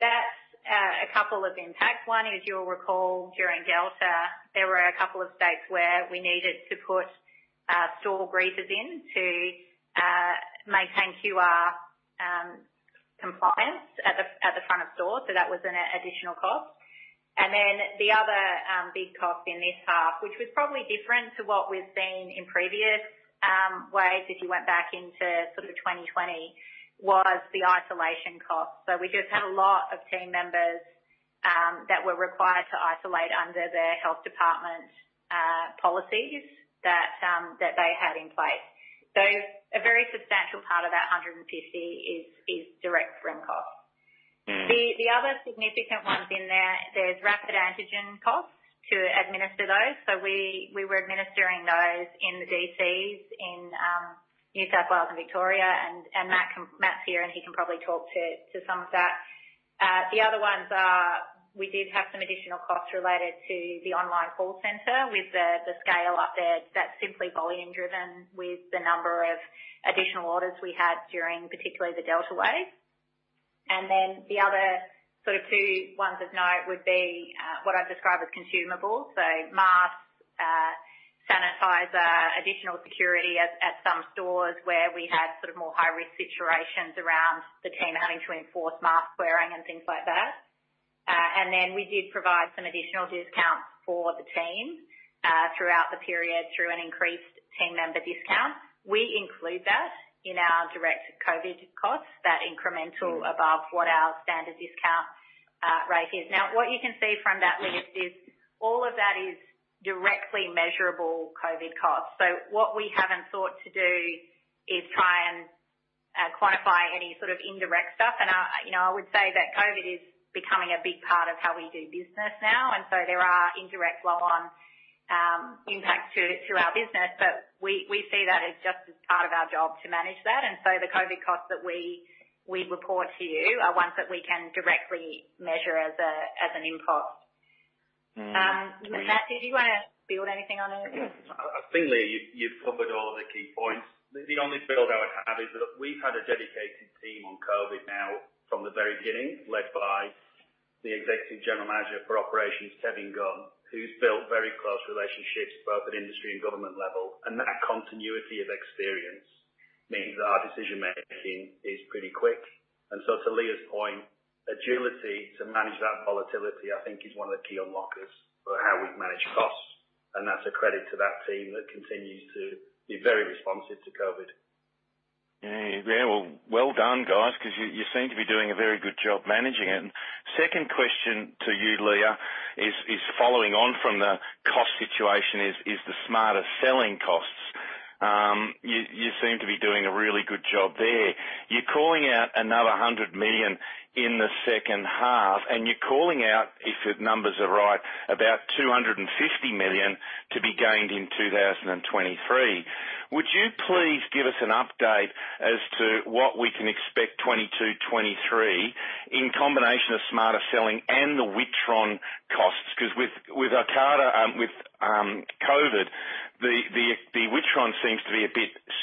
That's a couple of impacts. One is you'll recall during Delta, there were a couple of states where we needed to put store greeters in to maintain QR compliance at the front of store. That was an additional cost. The other big cost in this half, which was probably different to what we've seen in previous waves, if you went back into sort of 2020, was the isolation cost. We just had a lot of team members that were required to isolate under their health department policies that they had in place. A very substantial part of that 150 is direct rent costs. Mm. The other significant ones in there's rapid antigen costs to administer those. We were administering those in the DCs in New South Wales and Victoria. Matt's here, and he can probably talk to some of that. The other ones are we did have some additional costs related to the online call center with the scale up there that's simply volume driven with the number of additional orders we had during particularly the Delta wave. The other sort of two ones of note would be what I've described as consumables. Masks, sanitizer, additional security at some stores where we had sort of more high-risk situations around the team having to enforce mask wearing and things like that. We did provide some additional discounts for the team throughout the period through an increased team member discount. We include that in our direct COVID costs, that incremental above what our standard discount rate is. Now, what you can see from that list is all of that is directly measurable COVID costs. What we haven't sought to do is try and quantify any sort of indirect stuff. I, you know, would say that COVID is becoming a big part of how we do business now, and so there are indirect flow on impacts to our business. We see that as just as part of our job to manage that. The COVID costs that we report to you are ones that we can directly measure as an input. Mm. Matt, did you wanna build anything on there? Yeah. I think, Leah, you've covered all of the key points. The only build I would have is that we've had a dedicated team on COVID now from the very beginning, led by the Executive General Manager for Operations, Kevin Gunn, who's built very close relationships both at industry and government level. That continuity of experience means that our decision-making is pretty quick. So to Leah's point, agility to manage that volatility, I think is one of the key unlockers for how we've managed costs. That's a credit to that team that continues to be very responsive to COVID. Yeah. Well, well done, guys, 'cause you seem to be doing a very good job managing it. Second question to you, Leah, is following on from the cost situation is the Smarter Selling costs. You seem to be doing a really good job there. You're calling out another 100 million in the second half, and you're calling out, if the numbers are right, about 250 million to be gained in 2023. Would you please give us an update as to what we can expect 2022, 2023 in combination of Smarter Selling and the Witron costs? 'Cause with Ocado, with COVID, the Witron seems to be a bit screwed.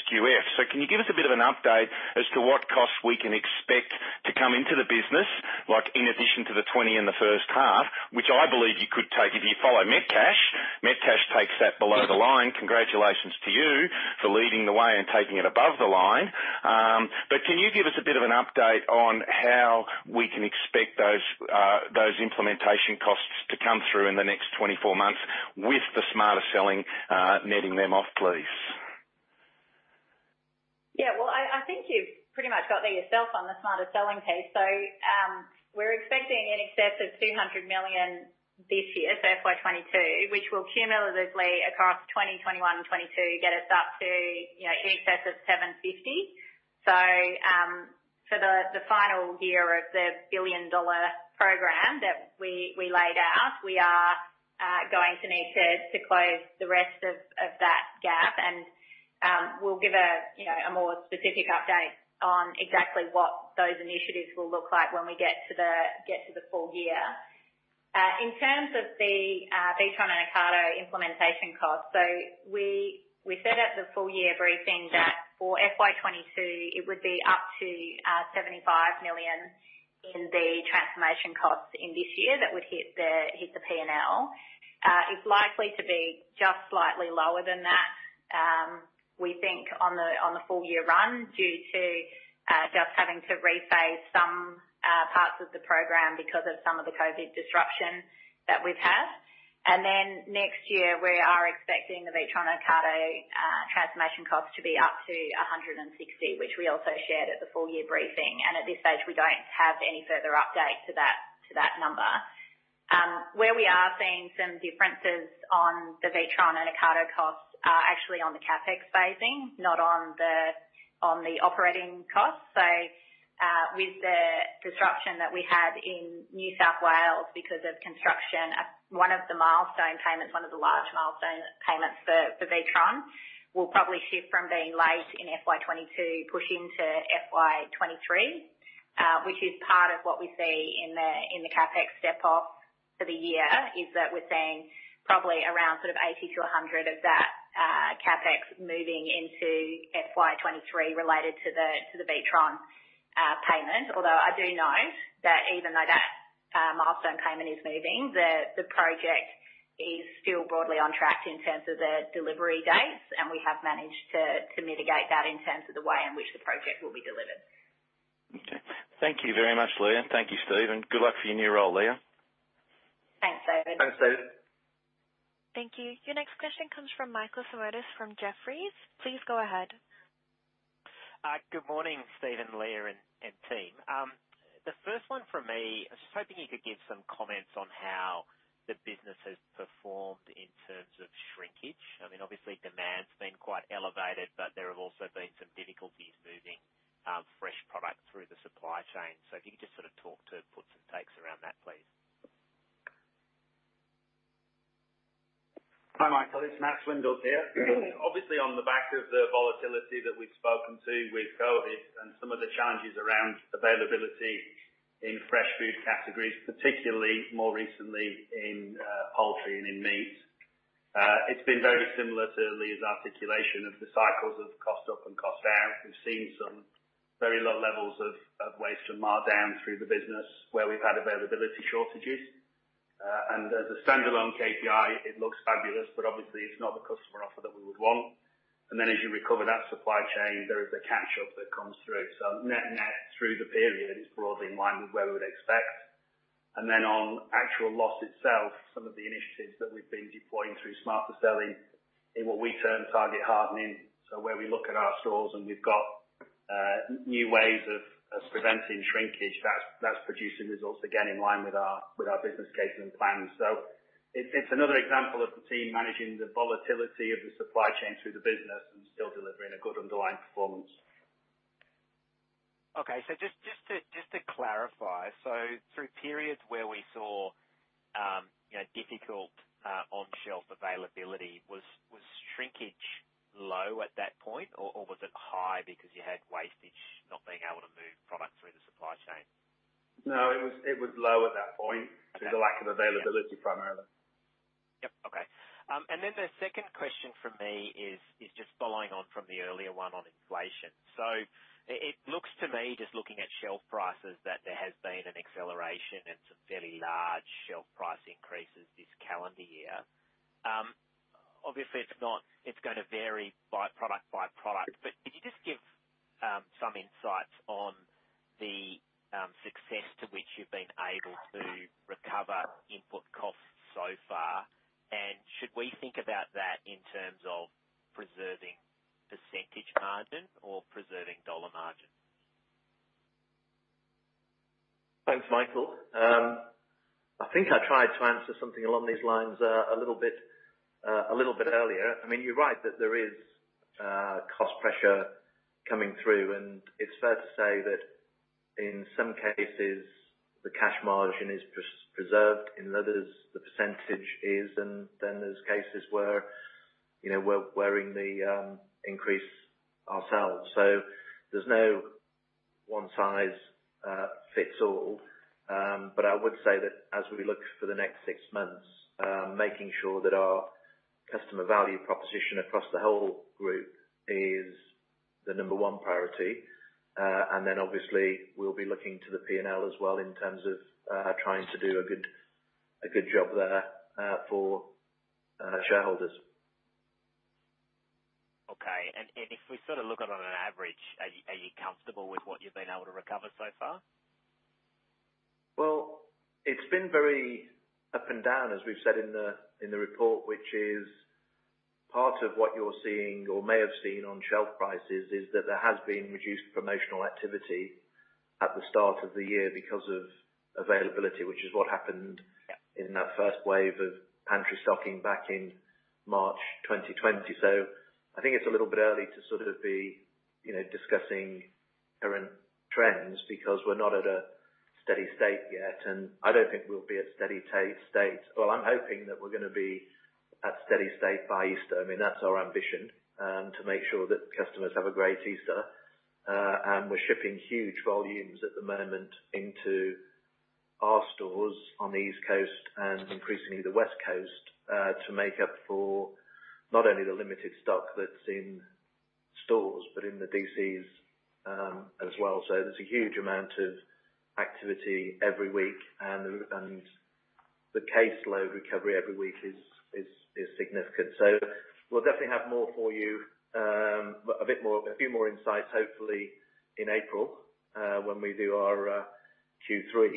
Can you give us a bit of an update as to what costs we can expect to come into the business, like in addition to the 20 in the first half, which I believe you could take if you follow Metcash. Metcash takes that below the line. Congratulations to you for leading the way and taking it above the line. But can you give us a bit of an update on how we can expect those implementation costs to come through in the next 24 months with the Smarter Selling, netting them off, please? Yeah. Well, I think you've pretty much got there yourself on the Smarter Selling piece. We're expecting in excess of 200 million this year, so FY 2022, which will cumulatively across 2021, 2022 get us up to, you know, in excess of 750 million. For the final year of the billion-dollar program that we laid out, we are going to need to close the rest of that gap. We'll give, you know, a more specific update on exactly what those initiatives will look like when we get to the full year. In terms of the Witron and Ocado implementation costs. We said at the full-year briefing that for FY 2022 it would be up to 75 million in the transformation costs in this year that would hit the P&L. It's likely to be just slightly lower than that. We think on the full-year run due to just having to rephase some parts of the program because of some of the COVID disruption that we've had. Next year we are expecting the Witron and Ocado transformation cost to be up to 160 million, which we also shared at the full-year briefing. At this stage, we don't have any further update to that number. Where we are seeing some differences on the Witron and Ocado costs are actually on the CapEx phasing, not on the operating costs. With the disruption that we had in New South Wales because of construction at one of the milestone payments, one of the large milestone payments for Witron, will probably shift from being late in FY 2022 push into FY 2023. Which is part of what we see in the CapEx step up for the year, is that we're seeing probably around 80 to 100 of that CapEx moving into FY 2023 related to the Witron payment. Although I do know that even though that milestone payment is moving, the project is still broadly on track in terms of the delivery dates, and we have managed to mitigate that in terms of the way in which the project will be delivered. Okay. Thank you very much, Leah. Thank you, Steven. Good luck for your new role, Leah. Thanks, David. Thanks, David. Thank you. Your next question comes from Michael Simotas from Jefferies. Please go ahead. Good morning, Steve and Leah and team. The first one from me, I was just hoping you could give some comments on how the business has performed in terms of shrinkage. I mean, obviously, demand's been quite elevated, but there have also been some difficulties moving fresh product through the supply chain. If you could just sort of talk to puts and takes around that, please. Hi, Michael. It's Matt Swindells here. Mm-hmm. Obviously on the back of the volatility that we've spoken to with COVID and some of the challenges around availability in fresh food categories, particularly more recently in poultry and in meat. It's been very similar to Leah's articulation of the cycles of cost up and cost down. We've seen some very low levels of waste and markdown through the business where we've had availability shortages. As a standalone KPI, it looks fabulous, but obviously it's not the customer offer that we would want. Then as you recover that supply chain, there is a catch-up that comes through. Net-net, through the period, it's broadly in line with where we would expect. Then on actual loss itself, some of the initiatives that we've been deploying through Smarter Selling in what we term target hardening. Where we look at our stores and we've got new ways of preventing shrinkage, that's producing results again in line with our business case and plans. It's another example of the team managing the volatility of the supply chain through the business and still delivering a good underlying performance. Just to clarify, through periods where we saw, you know, difficult on-shelf availability, was shrinkage low at that point or was it high because you had wastage not being able to move product through the supply chain? No, it was low at that point due to lack of availability primarily. Yep. Okay. The second question from me is just following on from the earlier one on inflation. It looks to me, just looking at shelf prices, that there has been an acceleration and some fairly large shelf price increases this calendar year. Obviously it's going to vary by product by product, but could you just give some insights on the success to which you've been able to recover input costs so far? And should we think about that in terms of preserving percentage margin or preserving dollar margin? Thanks, Michael. I think I tried to answer something along these lines, a little bit earlier. I mean, you're right that there is cost pressure coming through, and it's fair to say that in some cases the cash margin is preserved, in others the percentage is, and then there are cases where, you know, we're wearing the increase ourselves. There's no one size fits all. I would say that as we look for the next six months, making sure that our customer value proposition across the whole group is the number one priority. Obviously we'll be looking to the P&L as well in terms of trying to do a good job there for shareholders. Okay. If we sort of look at it on an average, are you comfortable with what you've been able to recover so far? Well, it's been very up and down, as we've said in the report, which is part of what you're seeing or may have seen on shelf prices, is that there has been reduced promotional activity at the start of the year because of availability, which is what happened. Yeah. in that first wave of pantry stocking back in March 2020. I think it's a little bit early to sort of be, you know, discussing current trends because we're not at a steady state yet. I don't think we'll be at steady state. Well, I'm hoping that we're gonna be at steady state by Easter. I mean, that's our ambition, to make sure that customers have a great Easter. We're shipping huge volumes at the moment into our stores on the East Coast and increasingly the West Coast, to make up for not only the limited stock that's in stores but in the DCs, as well. There's a huge amount of activity every week, and the caseload recovery every week is significant. We'll definitely have more for you, a few more insights, hopefully in April, when we do our Q3.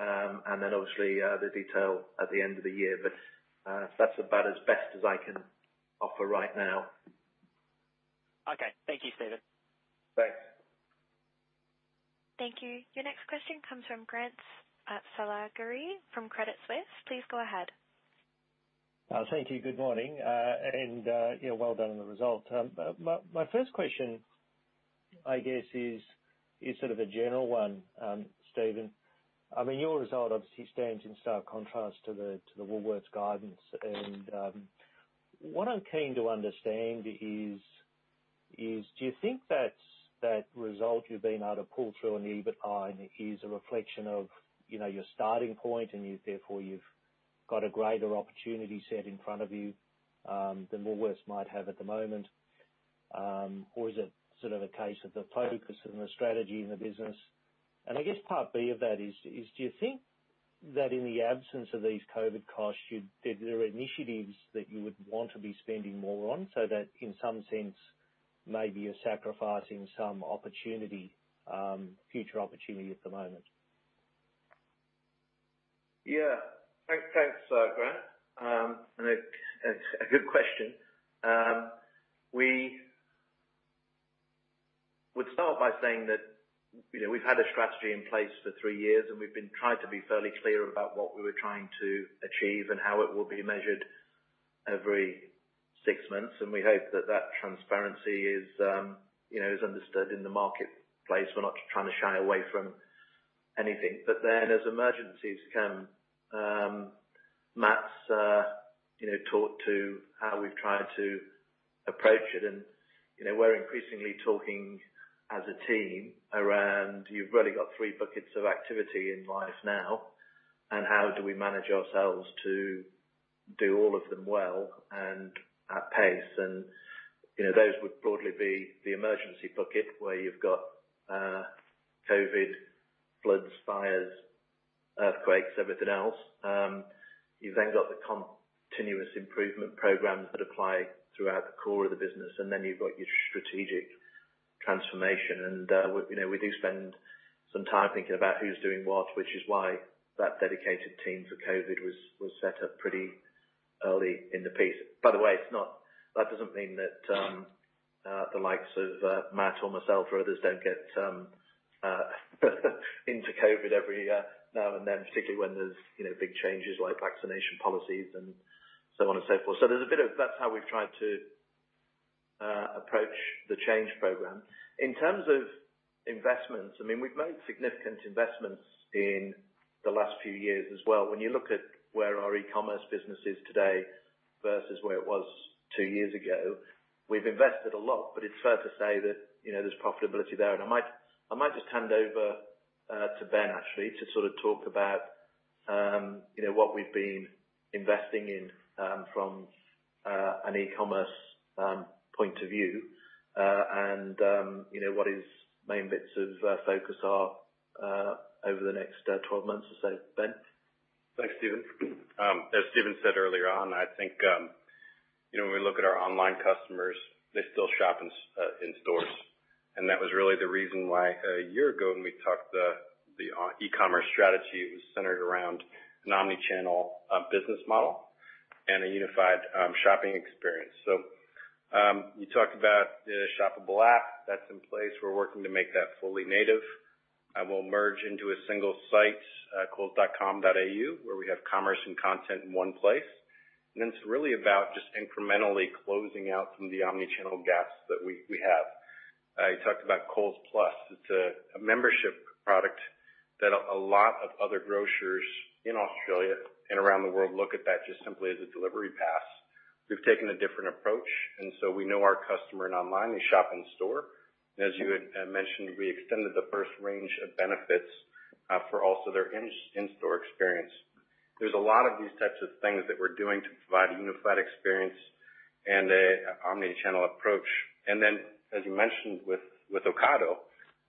Obviously, the detail at the end of the year. That's about as best as I can offer right now. Okay. Thank you, Steven. Thanks. Thank you. Your next question comes from Grant Saligari from Credit Suisse. Please go ahead. Thank you. Good morning. Yeah, well done on the result. My first question, I guess, is sort of a general one, Steven. I mean, your result obviously stands in stark contrast to the Woolworths guidance. What I'm keen to understand is do you think that result you've been able to pull through on the EBIT is a reflection of, you know, your starting point and therefore you've got a greater opportunity set in front of you than Woolworths might have at the moment? Or is it sort of a case of the focus and the strategy in the business? I guess part B of that is do you think that in the absence of these COVID costs, you'd... There are initiatives that you would want to be spending more on, so that in some sense, maybe you're sacrificing some opportunity, future opportunity at the moment. Yeah. Thanks, Grant. It's a good question. We would start by saying that, you know, we've had a strategy in place for three years, and we've been trying to be fairly clear about what we were trying to achieve and how it will be measured every six months. We hope that that transparency is, you know, is understood in the marketplace. We're not trying to shy away from anything. As emergencies come, Matt's, you know, talked to how we've tried to approach it and, you know, we're increasingly talking as a team around, you've really got three buckets of activity in life now, and how do we manage ourselves to do all of them well and at pace. Those would broadly be the emergency bucket where you've got, COVID, floods, fires, earthquakes, everything else. You've then got the continuous improvement programs that apply throughout the core of the business, and then you've got your strategic transformation. We, you know, we do spend some time thinking about who's doing what, which is why that dedicated team for COVID was set up pretty early in the piece. By the way, it's not. That doesn't mean that the likes of Matt or myself or others don't get into COVID every now and then, particularly when there's, you know, big changes like vaccination policies and so on and so forth. There's a bit of. That's how we've tried to approach the change program. In terms of investments, I mean, we've made significant investments in the last few years as well. When you look at where our e-commerce business is today versus where it was two years ago, we've invested a lot, but it's fair to say that, you know, there's profitability there. I might just hand over to Ben, actually, to sort of talk about you know, what we've been investing in from an e-commerce point of view, and you know, what his main bits of focus are over the next 12 months or so. Ben? Thanks, Steven. As Steven said earlier on, I think, you know, when we look at our online customers, they still shop in stores. That was really the reason why a year ago when we talked about the e-commerce strategy, it was centered around an omni-channel business model and a unified shopping experience. You talked about the shoppable app that's in place. We're working to make that fully native, and we'll merge into a single site, coles.com.au, where we have commerce and content in one place. Then it's really about just incrementally closing out some of the omni-channel gaps that we have. I talked about Coles Plus. It's a membership product that a lot of other grocers in Australia and around the world look at that just simply as a delivery pass. We've taken a different approach, we know our customer and online, they shop in store. As you had mentioned, we extended the first range of benefits for also their in-store experience. There's a lot of these types of things that we're doing to provide a unified experience and an omni-channel approach. As you mentioned with Ocado,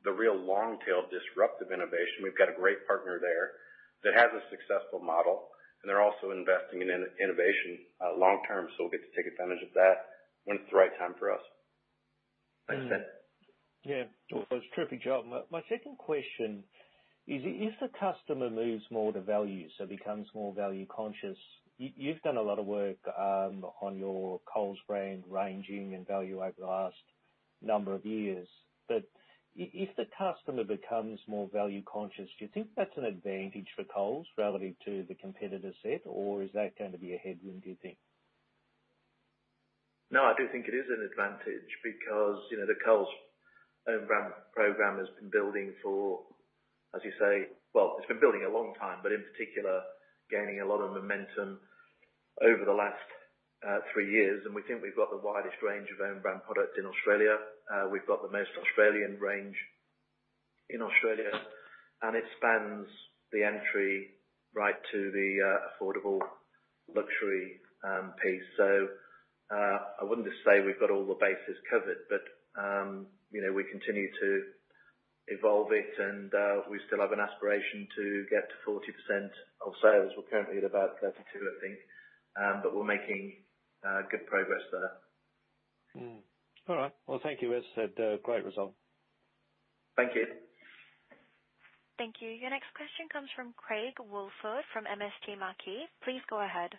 the real long tail disruptive innovation. We've got a great partner there that has a successful model, and they're also investing in innovation long term. We'll get to take advantage of that when it's the right time for us. Thanks, Ben. Yeah. It's a terrific job. My second question is, if the customer moves more to value, so becomes more value conscious, you've done a lot of work on your Coles brand ranging and value over the last number of years. If the customer becomes more value conscious, do you think that's an advantage for Coles relative to the competitor set, or is that going to be a headwind, do you think? No, I do think it is an advantage because, you know, the Coles own brand program has been building for, as you say. Well, it's been building a long time, but in particular, gaining a lot of momentum over the last 3 years, and we think we've got the widest range of own brand product in Australia. We've got the most Australian range in Australia, and it spans the entry right to the affordable luxury piece. I wouldn't just say we've got all the bases covered, but you know, we continue to evolve it and we still have an aspiration to get to 40% of sales. We're currently at about 32, I think. But we're making good progress there. All right. Well, thank you. As I said, a great result. Thank you. Thank you. Your next question comes from Craig Woolford from MST Marquee. Please go ahead.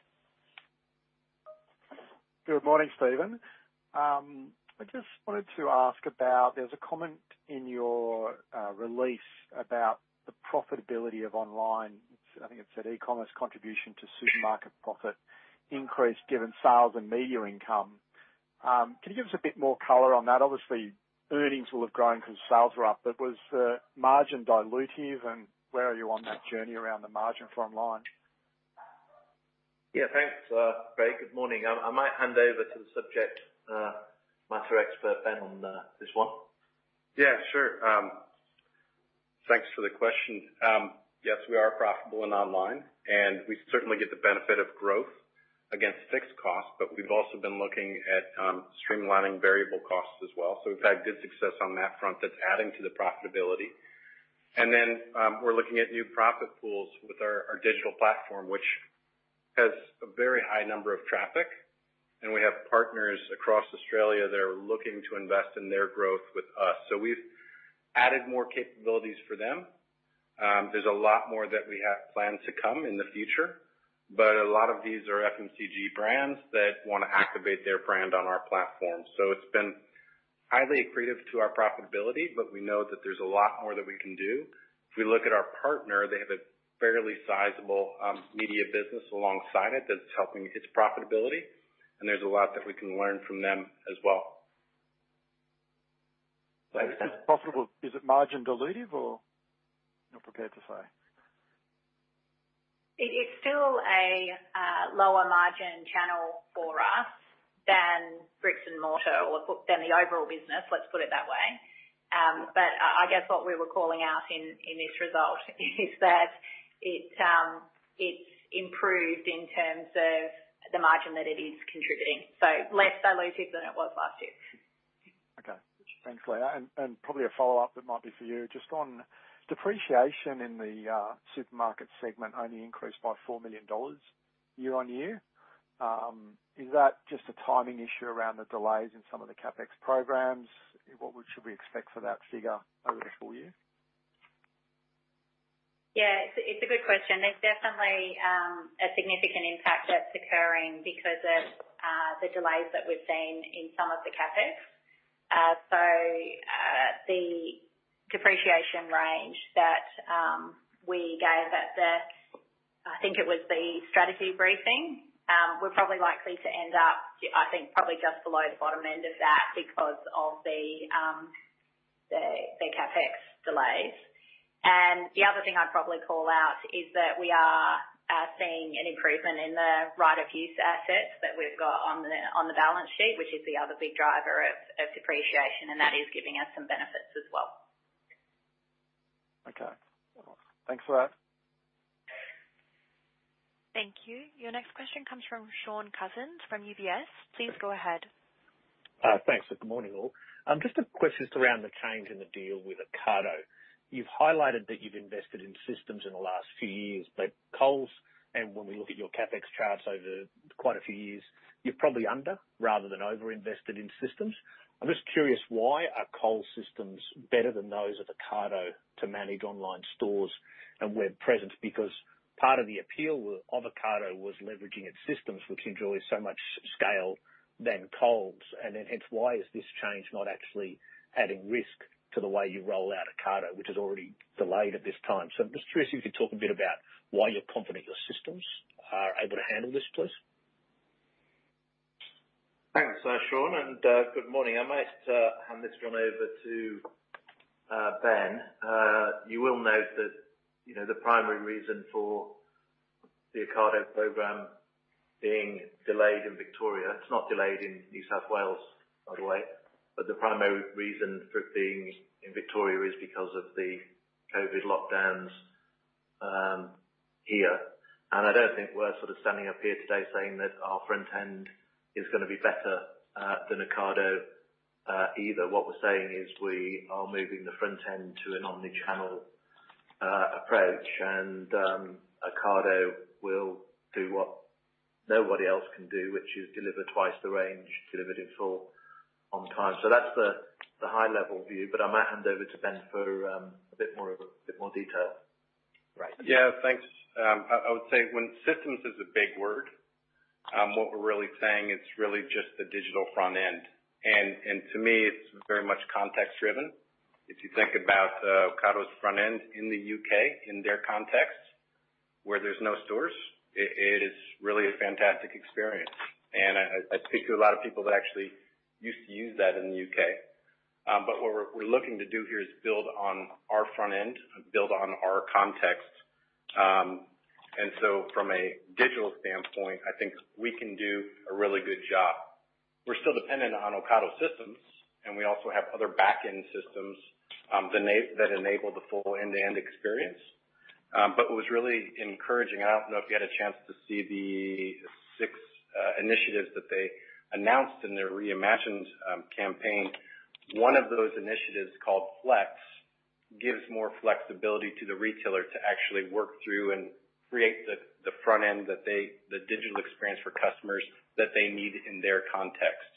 Good morning, Steven. I just wanted to ask about, there's a comment in your release about the profitability of online. I think it said e-commerce contribution to supermarket profit increased given sales and media income. Can you give us a bit more color on that? Obviously, earnings will have grown because sales are up, but was the margin dilutive and where are you on that journey around the margin for online? Yeah. Thanks, Craig. Good morning. I might hand over to the subject matter expert, Ben, on this one. Yeah, sure. Thanks for the question. Yes, we are profitable in online, and we certainly get the benefit of growth against fixed costs, but we've also been looking at streamlining variable costs as well. We've had good success on that front that's adding to the profitability. We're looking at new profit pools with our digital platform, which has a very high number of traffic, and we have partners across Australia that are looking to invest in their growth with us. We've added more capabilities for them. There's a lot more that we have planned to come in the future, but a lot of these are FMCG brands that wanna activate their brand on our platform. It's been highly accretive to our profitability, but we know that there's a lot more that we can do. If we look at our partner, they have a fairly sizable media business alongside it that's helping its profitability, and there's a lot that we can learn from them as well. Is it profitable? Is it margin dilutive or you're not prepared to say? It is still a lower margin channel for us than bricks and mortar or than the overall business, let's put it that way. I guess what we were calling out in this result is that it's improved in terms of the margin that it is contributing. Less dilutive than it was last year. Okay. Thanks, Leah. Probably a follow-up that might be for you. Just on depreciation in the Supermarket segment only increased by 4 million dollars year-on-year. Is that just a timing issue around the delays in some of the CapEx programs? What should we expect for that figure over the full year? Yeah, it's a good question. There's definitely a significant impact that's occurring because of the delays that we've seen in some of the CapEx. The depreciation range that we gave at the strategy briefing, I think. We're probably likely to end up, I think, probably just below the bottom end of that because of the CapEx delays. The other thing I'd probably call out is that we are seeing an improvement in the right of use assets that we've got on the balance sheet, which is the other big driver of depreciation, and that is giving us some benefits as well. Okay. Thanks for that. Thank you. Your next question comes from Shaun Cousins from UBS. Please go ahead. Thanks, and good morning, all. Just a question around the change in the deal with Ocado. You've highlighted that you've invested in systems in the last few years, but Coles, and when we look at your CapEx charts over quite a few years, you're probably under rather than over-invested in systems. I'm just curious why Coles systems are better than those of Ocado to manage online stores and web presence. Because part of the appeal with Ocado was leveraging its systems, which enjoys so much scale than Coles. Then hence, why is this change not actually adding risk to the way you roll out Ocado, which is already delayed at this time. I'm just curious if you could talk a bit about why you're confident your systems are able to handle this, please. Thanks, Shaun, and good morning. I might hand this one over to Ben. You will note that, you know, the primary reason for the Ocado program being delayed in Victoria, it's not delayed in New South Wales, by the way, but the primary reason for it being in Victoria is because of the COVID lockdowns here. I don't think we're sort of standing up here today saying that our front end is gonna be better than Ocado either. What we're saying is we are moving the front end to an omni-channel approach. Ocado will do what nobody else can do, which is deliver twice the range, deliver it in full on time. That's the high level view, but I might hand over to Ben for a bit more detail. Right. Yeah, thanks. I would say when systems is a big word. What we're really saying, it's really just the digital front end. To me it's very much context driven. If you think about Ocado's front end in the U.K. in their context where there's no stores, it is really a fantastic experience. I speak to a lot of people that actually used to use that in the U.K. What we're looking to do here is build on our front end, build on our context. From a digital standpoint, I think we can do a really good job. We're still dependent on Ocado systems, and we also have other back-end systems that enable the full end-to-end experience. What was really encouraging, I don't know if you had a chance to see the six initiatives that they announced in their Re:Imagined campaign. One of those initiatives, called Flex, gives more flexibility to the retailer to actually work through and create the front end, the digital experience for customers that they need in their context.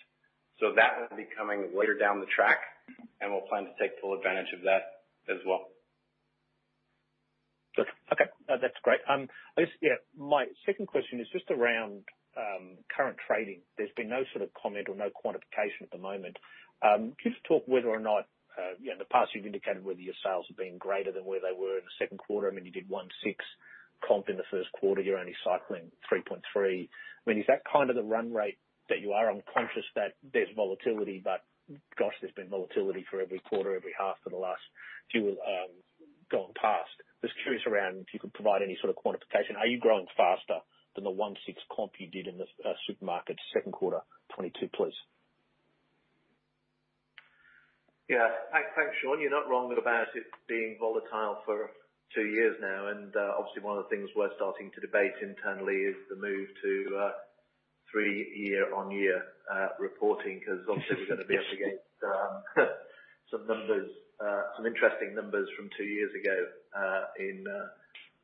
That will be coming later down the track, and we'll plan to take full advantage of that as well. Okay. No, that's great. I just yeah, my second question is just around current trading. There's been no sort of comment or no quantification at the moment. Can you just talk whether or not, you know, in the past you've indicated whether your sales have been greater than where they were in the second quarter. I mean, you did 1.6% comp in the first quarter. You're only cycling 3.3%. I mean, is that kind of the run rate that you are on, conscious that there's volatility, but gosh, there's been volatility for every quarter, every half for the last few gone past. Just curious around if you could provide any sort of quantification. Are you growing faster than the 1.6% comp you did in the supermarket second quarter 2022, please? Thanks, Shaun. You're not wrong about it being volatile for two years now. Obviously one of the things we're starting to debate internally is the move to three-year-on-year reporting, because obviously we're gonna be up against some interesting numbers from two years ago in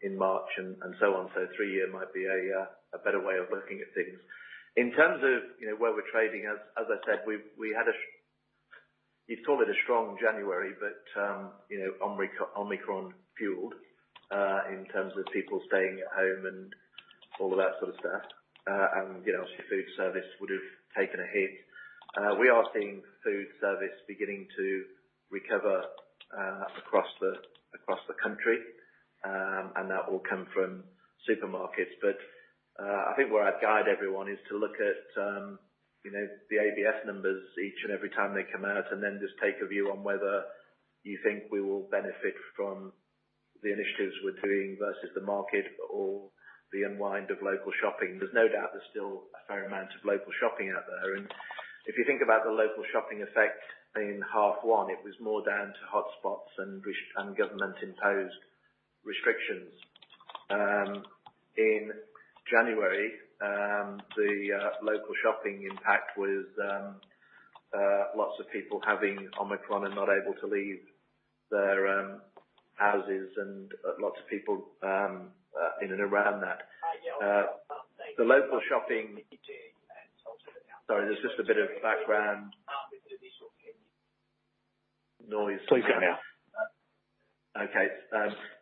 March and so on. Three-year might be a better way of looking at things. In terms of where we're trading, as I said, we had a. You'd call it a strong January, but you know, Omicron fueled, in terms of people staying at home and all of that sort of stuff. And you know, obviously food service would've taken a hit. We are seeing food service beginning to recover across the country, and that will come from supermarkets. I think where I'd guide everyone is to look at, you know, the ABS numbers each and every time they come out, and then just take a view on whether you think we will benefit from the initiatives we're doing versus the market or the unwind of local shopping. There's no doubt there's still a fair amount of local shopping out there. If you think about the local shopping effect in half one, it was more down to hotspots and government imposed restrictions. In January, the local shopping impact was lots of people having Omicron and not able to leave their houses and lots of people in and around that. Sorry, there's just a bit of background noise. Please carry on. Okay.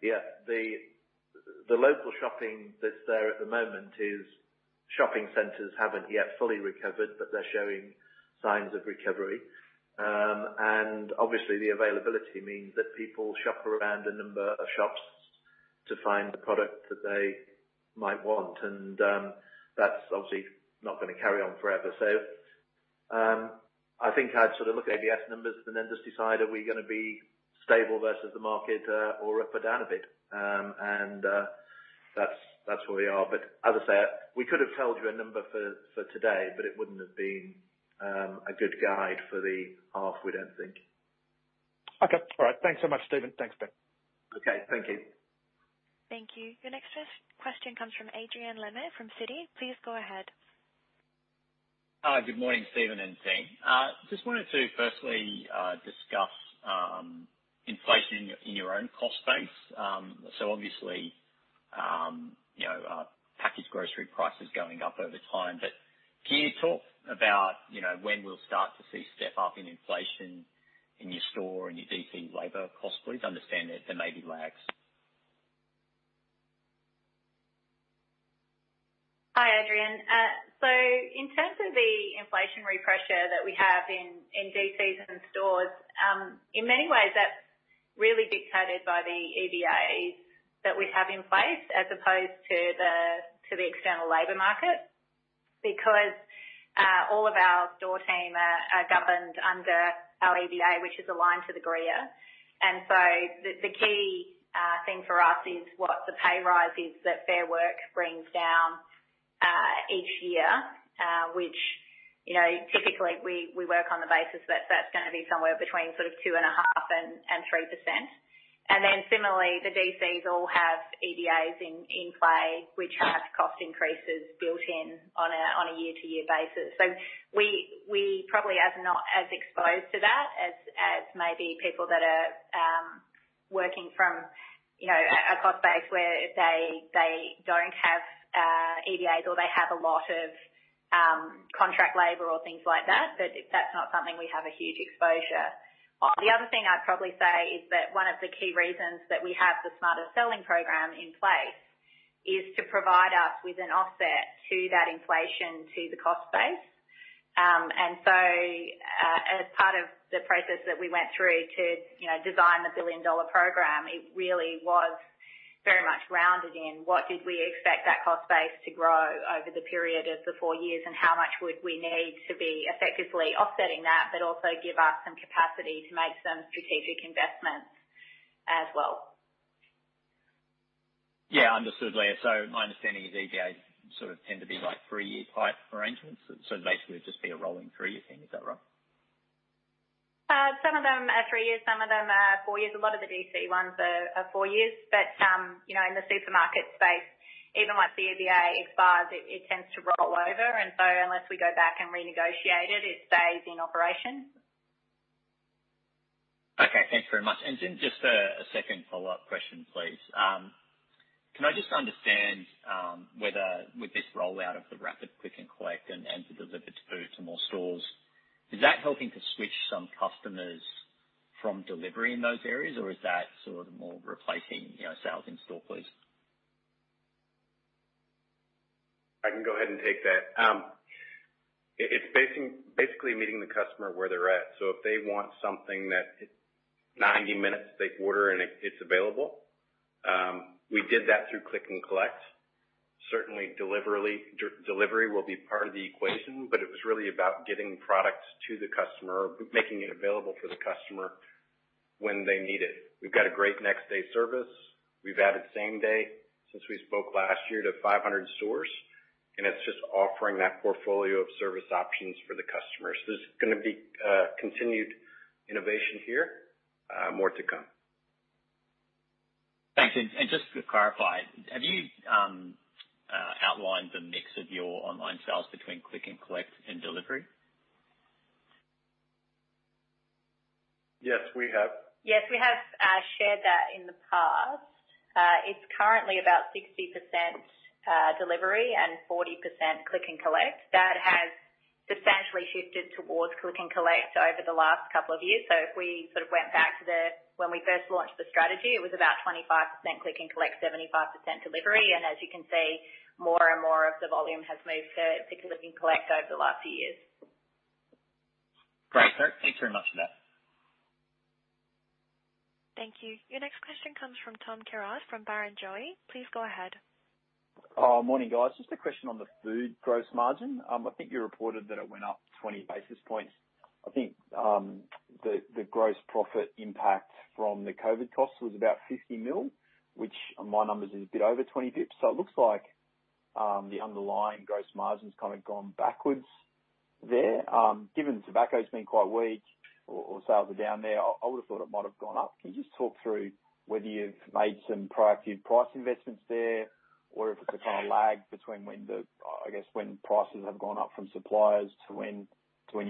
Yeah. The local shopping that's there at the moment is shopping centers haven't yet fully recovered, but they're showing signs of recovery. Obviously the availability means that people shop around a number of shops to find the product that they might want. That's obviously not gonna carry on forever. I think I'd sort of look at the ABS numbers and then just decide, are we gonna be stable versus the market, or up or down a bit. That's where we are. As I say, we could have told you a number for today, but it wouldn't have been a good guide for the half, we don't think. Okay. All right. Thanks so much, Steven. Thanks, Ben. Okay. Thank you. Thank you. Your next question comes from Adrian Lemme from Citi. Please go ahead. Hi. Good morning, Steven and team. Just wanted to firstly discuss inflation in your own cost base. So obviously, you know, packaged grocery prices going up over time, but can you talk about, you know, when we'll start to see step up in inflation in your store and your DC labor costs, please? Understand that there may be lags. Hi, Adrian. In terms of the inflationary pressure that we have in DCs and stores, in many ways that's really dictated by the EBAs that we have in place as opposed to the external labor market. Because all of our store team are governed under our EBA, which is aligned to the GRIA. The key thing for us is what the pay rise is that Fair Work brings down each year, which you know, typically we work on the basis that that's gonna be somewhere between 2.5% and 3%. Similarly, the DCs all have EBAs in play which have cost increases built in on a year-to-year basis. We probably are not as exposed to that as maybe people that are working from, you know, a cost base where they don't have EBAs or they have a lot of contract labor or things like that. That's not something we have a huge exposure on. The other thing I'd probably say is that one of the key reasons that we have the Smarter Selling program in place is to provide us with an offset to that inflation to the cost base. as part of the process that we went through to, you know, design the billion dollar program, it really was very much rooted in what we expected that cost base to grow over the period of the four years, and how much we would need to be effectively offsetting that, but also give us some capacity to make some strategic investments as well. Yeah, understood, Leah. My understanding is EBAs sort of tend to be like three-year type arrangements. Basically it'd just be a rolling three-year thing. Is that right? Some of them are three years, some of them are four years. A lot of the DC ones are four years. You know, in the supermarket space, even once the EBA expires, it tends to roll over. Unless we go back and renegotiate it stays in operation. Okay, thanks very much. Then just a second follow-up question, please. Can I just understand whether with this rollout of the Click&Collect Rapid and the delivery to more stores, that is helping to switch some customers from delivery in those areas, or is that sort of more replacing, you know, sales in-store, please? I can go ahead and take that. It's basically meeting the customer where they're at. If they want something that it's 90 minutes, they order and it's available. We did that through Click & Collect. Certainly delivery will be part of the equation, but it was really about getting products to the customer, making it available for the customer when they need it. We've got a great next day service. We've added same day since we spoke last year to 500 stores, and it's just offering that portfolio of service options for the customers. There's gonna be continued innovation here. More to come. Thanks. Just to clarify, have you outlined the mix of your online sales between Click & Collect and delivery? Yes, we have. Yes, we have shared that in the past. It's currently about 60% delivery and 40% Click & Collect. That has substantially shifted towards Click & Collect over the last couple of years. If we went back to when we first launched the strategy, it was about 25% Click & Collect, 75% delivery. As you can see, more and more of the volume has moved to Click & Collect over the last few years. Great. Thank you very much for that. Thank you. Your next question comes from Tom Kierath from Barrenjoey. Please go ahead. Morning, guys. Just a question on the food gross margin. I think you reported that it went up 20 basis points. I think the gross profit impact from the COVID costs was about 50 million, which on my numbers is a bit over 20 basis points. It looks like the underlying gross margin's kind of gone backwards there. Given tobacco's been quite weak or sales are down there, I would have thought it might have gone up. Can you just talk through whether you've made some proactive price investments there or if it's a kind of lag between when I guess when prices have gone up from suppliers to when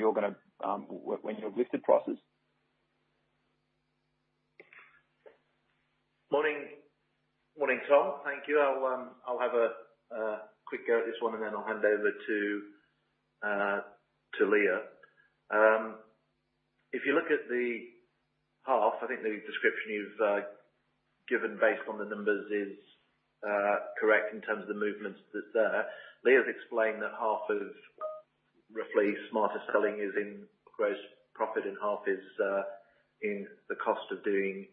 you've lifted prices? Morning, Tom. Thank you. I'll have a quick go at this one, and then I'll hand over to Leah. If you look at the half, I think the description you've given based on the numbers is correct in terms of the movements that's there. Leah's explained that half of roughly Smarter Selling is in gross profit and half is in the cost of doing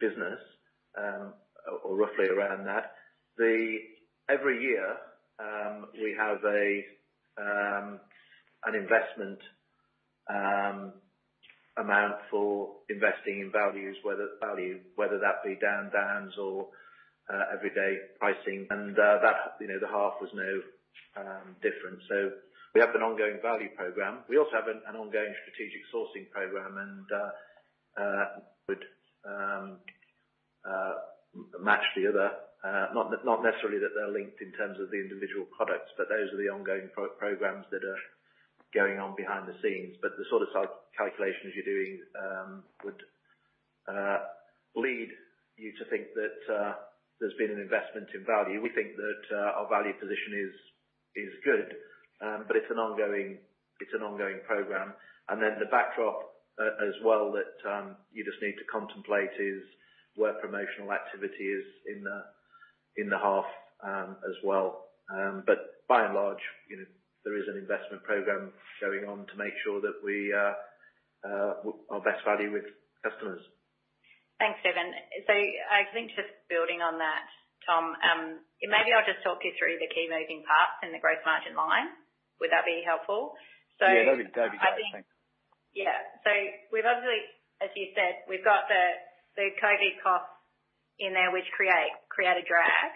business, or roughly around that. Every year, we have an investment amount for investing in values, whether that be Down Downs or everyday pricing. That, you know, the half was no different. We have an ongoing value program. We also have an ongoing strategic sourcing program and would match the other. Not necessarily that they're linked in terms of the individual products, but those are the ongoing programs that are going on behind the scenes. The sort of calculations you're doing would lead you to think that there's been an investment in value. We think that our value position is good, but it's an ongoing program. The backdrop as well that you just need to contemplate is Woolworths promotional activity in the half as well. By and large, you know, there is an investment program going on to make sure that we are best value with customers. Thanks, Steven. I think just building on that, Tom, maybe I'll just talk you through the key moving parts in the growth margin line. Would that be helpful? Yeah, that'd be great. Thanks. I think. Yeah. We've obviously, as you said, we've got the COVID costs in there which create a drag.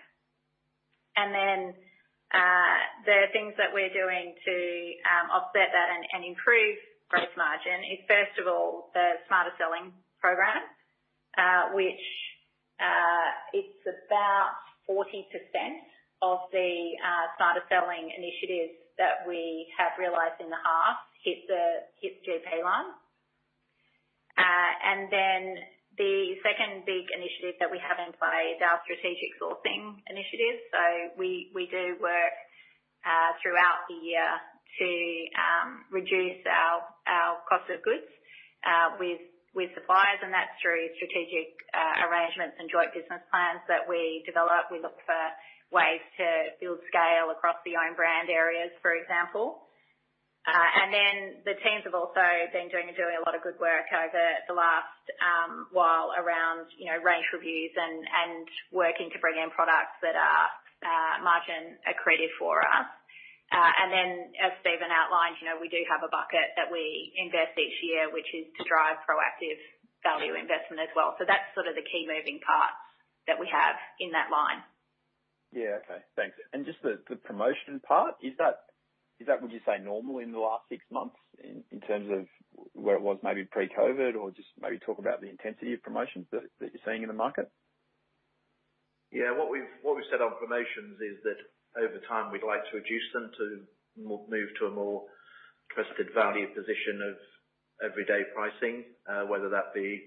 The things that we're doing to offset that and improve gross margin is, first of all, the Smarter Selling program, which it's about 40% of the Smarter Selling initiatives that we have realized in the half hit the GP line. The second big initiative that we have in play is our strategic sourcing initiatives. We do work throughout the year to reduce our cost of goods with suppliers, and that's through strategic arrangements and joint business plans that we develop. We look for ways to build scale across the own brand areas, for example. The teams have also been doing a lot of good work over the last while around, you know, range reviews and working to bring in products that are margin accretive for us. And then as Steven outlined, you know, we do have a bucket that we invest each year, which is to drive proactive value investment as well. That's sort of the key moving parts that we have in that line. Yeah. Okay. Thanks. Just the promotion part, is that what you'd say is normal in the last six months in terms of where it was maybe pre-COVID or just maybe talk about the intensity of promotions that you're seeing in the market? Yeah. What we've said on promotions is that over time, we'd like to reduce them to move to a more trusted value position of everyday pricing, whether that be,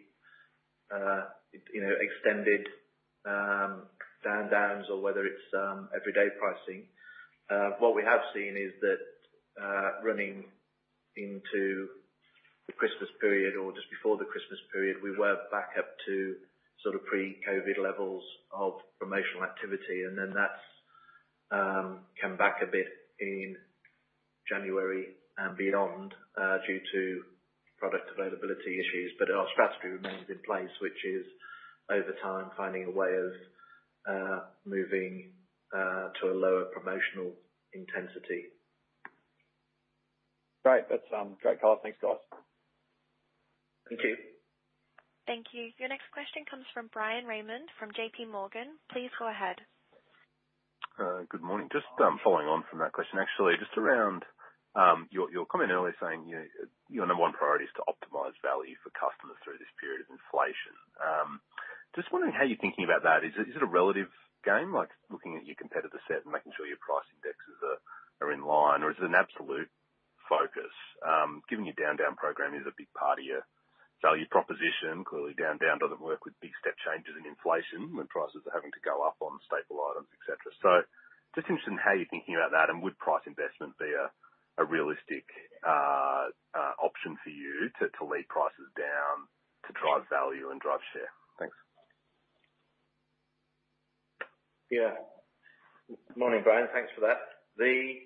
you know, extended Down Downs or whether it's everyday pricing. What we have seen is that, running into the Christmas period or just before the Christmas period, we were back up to sort of pre-COVID levels of promotional activity. Then that's come back a bit in January and beyond, due to product availability issues. Our strategy remains in place, which is over time, finding a way of moving to a lower promotional intensity. Great. That's great, guys. Thanks, guys. Thank you. Thank you. Your next question comes from Bryan Raymond from JP Morgan. Please go ahead. Good morning. Following on from that question, actually, just around your comment earlier saying, you know, your number one priority is to optimize value for customers through this period of inflation. Just wondering how you're thinking about that. Is it a relative game, like looking at your competitor set and making sure your price indexes are in line? Or is it an absolute focus, given your Down Down program is a big part of your value proposition. Clearly, Down Down doesn't work with big step changes in inflation when prices are having to go up on staple items, et cetera. Just interested in how you're thinking about that and would price investment be a realistic option for you to lay prices down to drive value and drive share? Thanks. Yeah. Morning, Bryan. Thanks for that. It's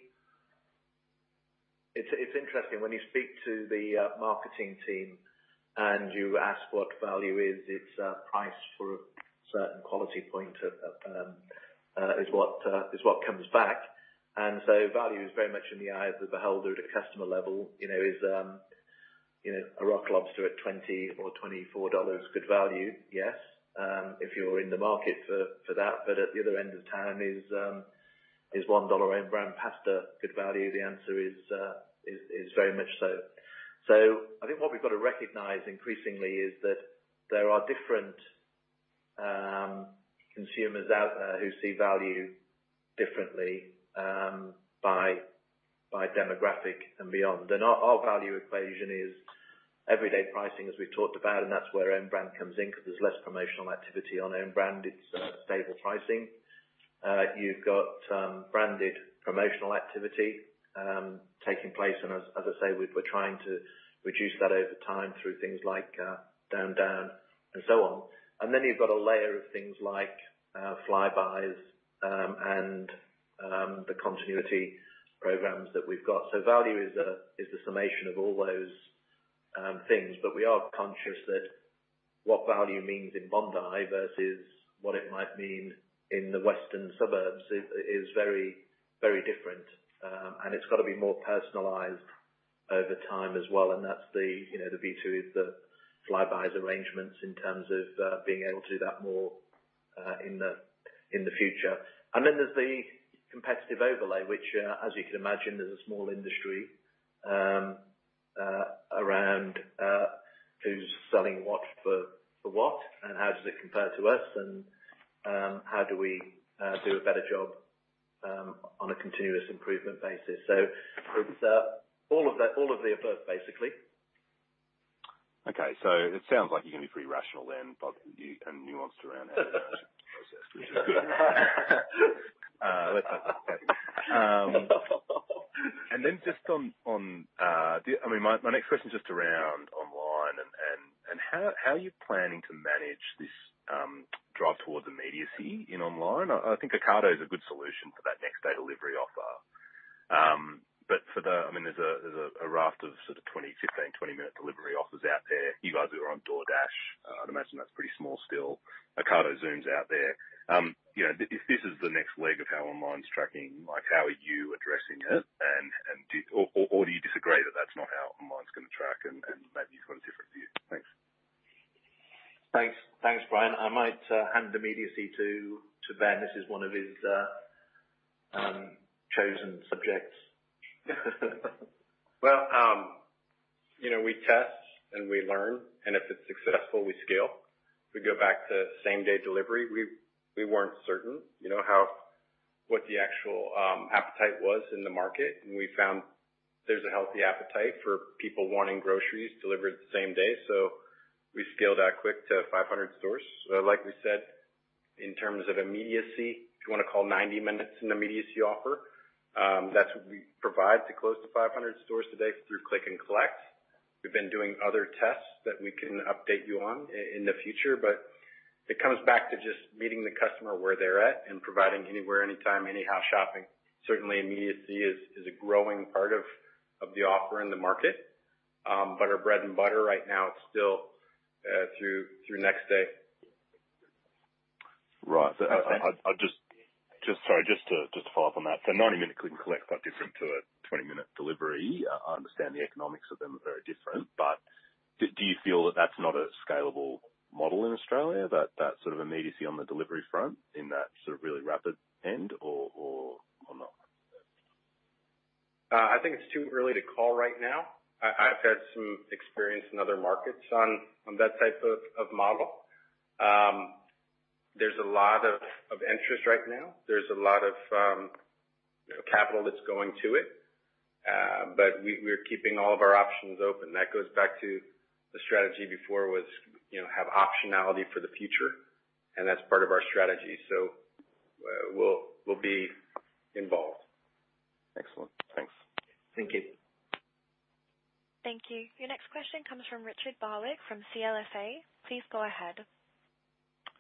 interesting when you speak to the marketing team and you ask what value is. It's price for a certain quality point is what comes back. Value is very much in the eye of the beholder at a customer level. You know, is a rock lobster at 20 or 24 dollars good value? Yes. If you're in the market for that. But at the other end of town is 1 dollar own brand pasta good value? The answer is very much so. I think what we've got to recognize increasingly is that there are different consumers out who see value differently by demographic and beyond. Our value equation is everyday pricing, as we talked about, and that's where own brand comes in, because there's less promotional activity on own brand. It's stable pricing. You've got branded promotional activity taking place. As I say, we're trying to reduce that over time through things like down and so on. You've got a layer of things like Flybuys and the continuity programs that we've got. Value is the summation of all those things. We are conscious that what value means in Bondi versus what it might mean in the western suburbs is very different. It's got to be more personalized over time as well. That's the, you know, the V2 is the Flybuys arrangements in terms of being able to do that more in the future. Then there's the competitive overlay, which as you can imagine, is a small industry around who's selling what for what and how does it compare to us and how do we do a better job on a continuous improvement basis. It's all of the above, basically. Okay. It sounds like you're gonna be pretty rational then, but nuanced around how that process, which is good. Let's hope so. Next question is just around online and how are you planning to manage this drive towards immediacy in online? I think Ocado is a good solution for that next day delivery offer. But there's a raft of sort of 20-, 15-, 20-minute delivery offers out there. You guys are on DoorDash. I'd imagine that's pretty small still. Ocado Zoom's out there. If this is the next leg of how online's tracking, like, how are you addressing it? Do you disagree that that's not how online's gonna track and maybe you've got a different view? Thanks. Thanks. Thanks, Bryan. I might hand immediately to Ben. This is one of his chosen subjects. Well, you know, we test and we learn, and if it's successful, we scale. If we go back to same day delivery, we weren't certain, you know, what the actual appetite was in the market. We found there's a healthy appetite for people wanting groceries delivered the same day. We scaled that quick to 500 stores. Like we said, in terms of immediacy, if you wanna call 90 minutes an immediacy offer, that's what we provide to close to 500 stores today through Click and Collect. We've been doing other tests that we can update you on in the future, but it comes back to just meeting the customer where they're at and providing anywhere, anytime, anyhow shopping. Certainly, immediacy is a growing part of the offer in the market. Our bread and butter right now is still through next day. Right. I’ll just—sorry, just to follow up on that. 90-minute Click & Collect is quite different to a 20-minute delivery. I understand the economics of them are very different, but do you feel that that's not a scalable model in Australia, that sort of immediacy on the delivery front in that sort of really rapid end or not? I think it's too early to call right now. I've had some experience in other markets on that type of model. There's a lot of interest right now. There's a lot of, you know, capital that's going to it. But we're keeping all of our options open. That goes back to the strategy before was, you know, have optionality for the future, and that's part of our strategy. We'll be involved. Excellent. Thanks. Thank you. Thank you. Your next question comes from Richard Barwick from CLSA. Please go ahead.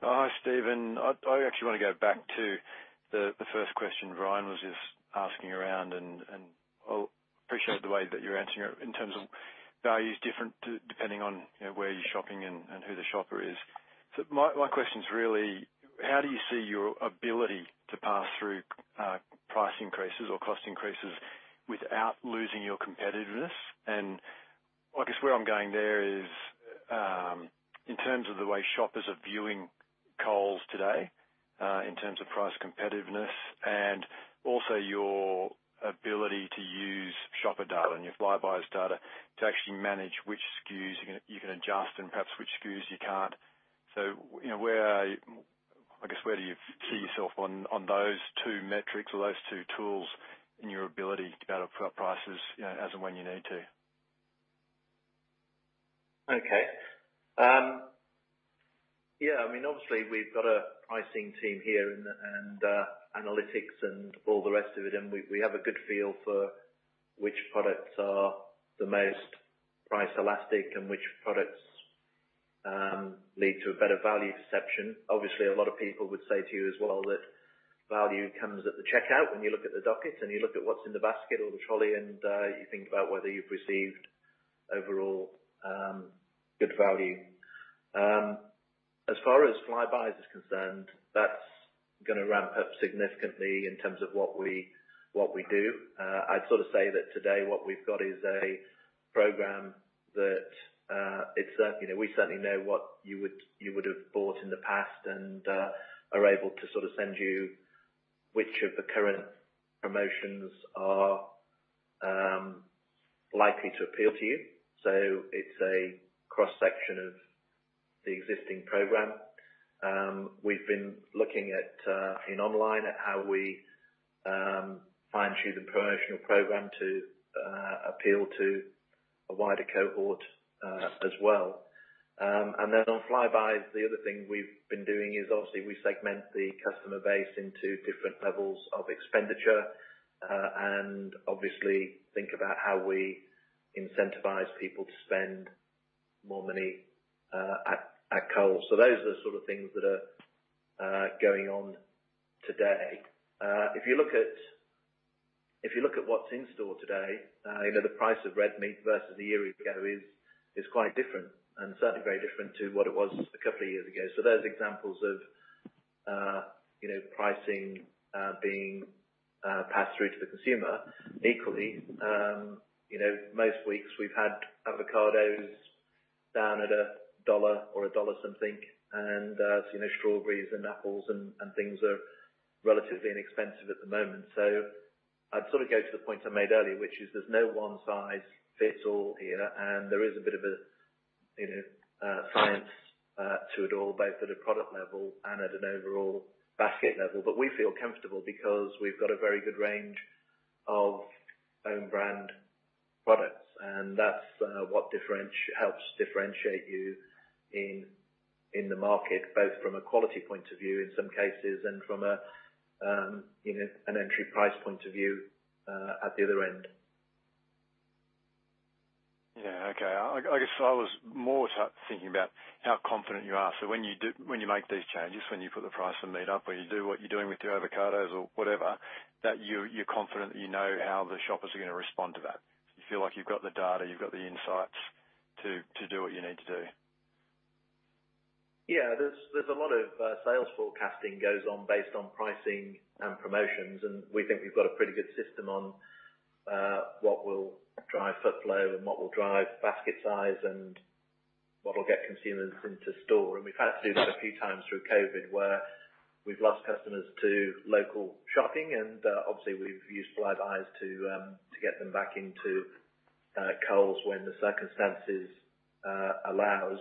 Oh, hi, Steven. I actually want to go back to the first question Bryan was just asking about, and I appreciate the way that you're answering it in terms of value is different depending on, you know, where you're shopping and who the shopper is. My question is really how do you see your ability to pass through price increases or cost increases without losing your competitiveness? I guess where I'm going there is, in terms of the way shoppers are viewing Coles today, in terms of price competitiveness and also your ability to use shopper data and your Flybuys data to actually manage which SKUs you can adjust and perhaps which SKUs you can't. you know, where do you see yourself on those two metrics or those two tools in your ability to be able to put up prices, you know, as and when you need to? Okay. Yeah, I mean, obviously we've got a pricing team here and analytics and all the rest of it, and we have a good feel for which products are the most price elastic and which products lead to a better value perception. Obviously, a lot of people would say to you as well that value comes at the checkout when you look at the docket and you look at what's in the basket or the trolley, and you think about whether you've received overall good value. As far as Flybuys is concerned, that's gonna ramp up significantly in terms of what we do. I'd sort of say that today what we've got is a program that, you know, we certainly know what you would have bought in the past and are able to sort of send you which of the current promotions are likely to appeal to you. It's a cross-section of the existing program. We've been looking online at how we fine-tune the promotional program to appeal to a wider cohort as well. On Flybuys, the other thing we've been doing is obviously we segment the customer base into different levels of expenditure and obviously think about how we incentivize people to spend more money at Coles. Those are the sort of things that are going on today. If you look at what's in store today, you know, the price of red meat versus a year ago is quite different and certainly very different to what it was a couple of years ago. There are examples of you know pricing being passed through to the consumer equally. You know, most weeks we've had avocados down at AUD 1 or AUD 1 something and you know strawberries and apples and things are relatively inexpensive at the moment. I'd sort of go to the point I made earlier, which is there's no one-size-fits-all here, and there is a bit of a you know science to it all, both at a product level and at an overall basket level. We feel comfortable because we've got a very good range of own brand products, and that's what helps differentiate you in the market, both from a quality point of view in some cases and from a you know an entry price point of view at the other end. Yeah. Okay. I guess I was more sort of thinking about how confident you are. So when you make these changes, when you put the price on meat up, or you do what you're doing with your avocados or whatever, that you're confident that you know how the shoppers are gonna respond to that. You feel like you've got the data, you've got the insights to do what you need to do. Yeah. There's a lot of sales forecasting goes on based on pricing and promotions, and we think we've got a pretty good system on what will drive footfall and what will drive basket size and what will get consumers into store. We've had to do that a few times through COVID, where we've lost customers to local shopping, and obviously, we've used Flybuys to get them back into Coles when the circumstances allows.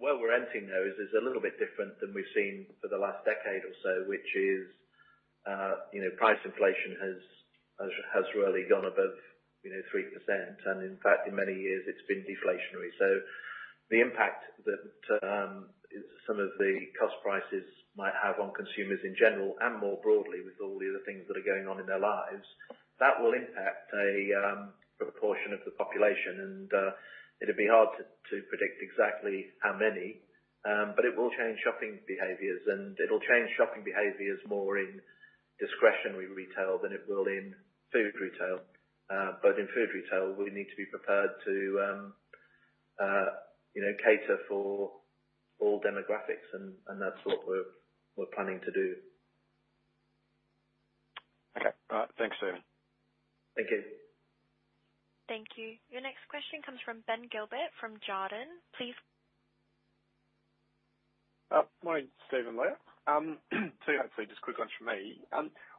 Where we're entering, though, is a little bit different than we've seen for the last decade or so, which is, you know, price inflation has really gone above, you know, 3%, and in fact, in many years it's been deflationary. The impact that some of the cost prices might have on consumers in general and more broadly with all the other things that are going on in their lives, that will impact a proportion of the population. It'd be hard to predict exactly how many, but it will change shopping behaviors, and it'll change shopping behaviors more in discretionary retail than it will in food retail. In food retail, we need to be prepared to you know, cater for all demographics and that's what we're planning to do. Okay. Thanks, Steven. Thank you. Thank you. Your next question comes from Ben Gilbert from Jarden. Please. Morning, Steven, Leah. Two hopefully just quick ones from me.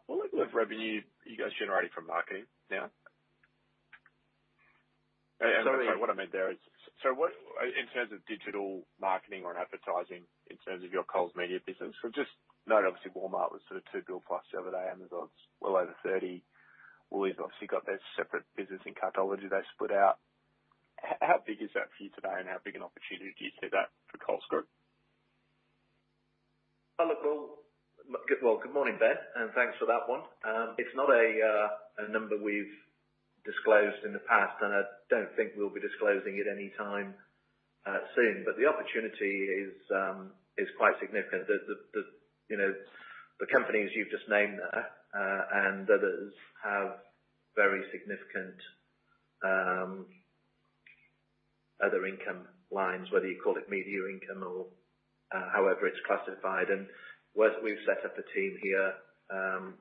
What level of revenue are you guys generating from marketing now? So- Sorry, what I meant there is, what in terms of digital marketing or advertising in terms of your Coles 360 business? Just note, obviously Walmart was sort of $2 billion plus the other day. Amazon's well over $30 billion. Woolies obviously got their separate business in Cartology they split out. How big is that for you today, and how big an opportunity do you see that for Coles Group? Good morning, Ben, and thanks for that one. It's not a number we've disclosed in the past, and I don't think we'll be disclosing it any time soon. The opportunity is quite significant. The companies you've just named there and others have very significant other income lines, whether you call it media income or however it's classified. We've set up a team here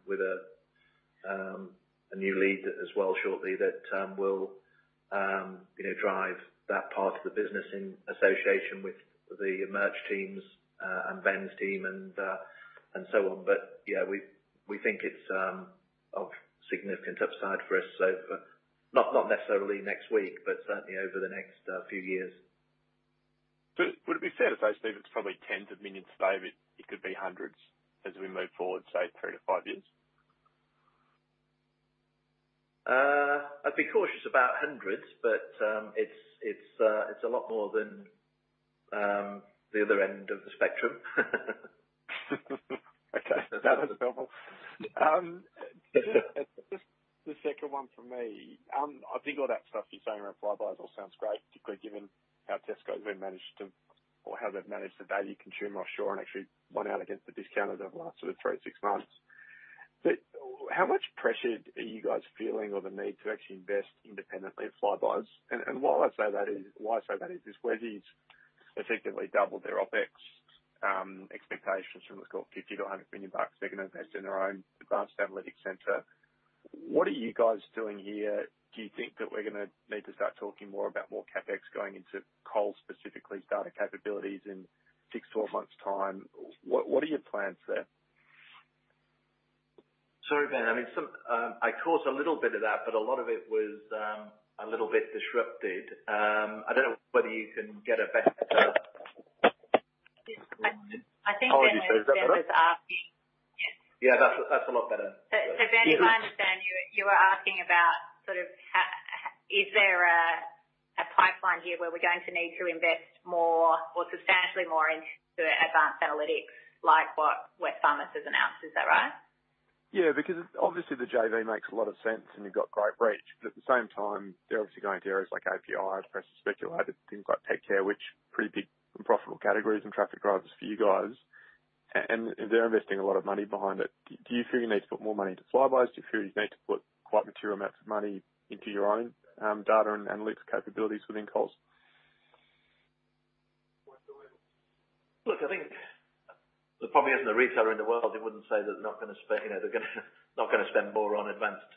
with a new lead as well shortly that will drive that part of the business in association with the merch teams and Ben's team and so on. Yeah, we think it's of significant upside for us. Not necessarily next week, but certainly over the next few years. Would it be fair to say, Steven, it's probably AUD tens of millions today, but it could be AUD hundreds as we move forward, say 3-5 years? I'd be cautious about hundreds, but it's a lot more than the other end of the spectrum. Okay. That was helpful. Just the second one from me. I think all that stuff you're saying around Flybuys all sounds great, particularly given how they've managed to value consumer offers and actually won out against the discounters over the last sort of three to six months. How much pressure are you guys feeling or the need to actually invest independently in Flybuys? Why I say that is, Wes has effectively doubled their OpEx expectations from what's called 50 million-100 million bucks. They're gonna invest in their own advanced analytics center. What are you guys doing here? Do you think that we're gonna need to start talking more about more CapEx going into Coles specifically's data capabilities in 6, 12 months' time? What are your plans there? Sorry, Ben. I mean, some, I caught a little bit of that, but a lot of it was, a little bit disrupted. I don't know whether you can get a better Yes. I think, Ben- Apologies. Is that better? Ben was asking. Yes. Yeah, that's a lot better. Ben, if I understand you were asking about sort of how is there a pipeline here where we're going to need to invest more or substantially more into advanced analytics like what Wesfarmers has announced? Is that right? Yeah, because obviously the JV makes a lot of sense and you've got great reach, but at the same time, they're obviously going to areas like API, as the press has speculated, things like Take Care, which pretty big and profitable categories and traffic drivers for you guys. And they're investing a lot of money behind it. Do you feel you need to put more money into Flybuys? Do you feel you need to put quite material amounts of money into your own data and analytics capabilities within Coles? Look, I think there probably isn't a retailer in the world who wouldn't say they're not gonna, you know, they're gonna spend more on advanced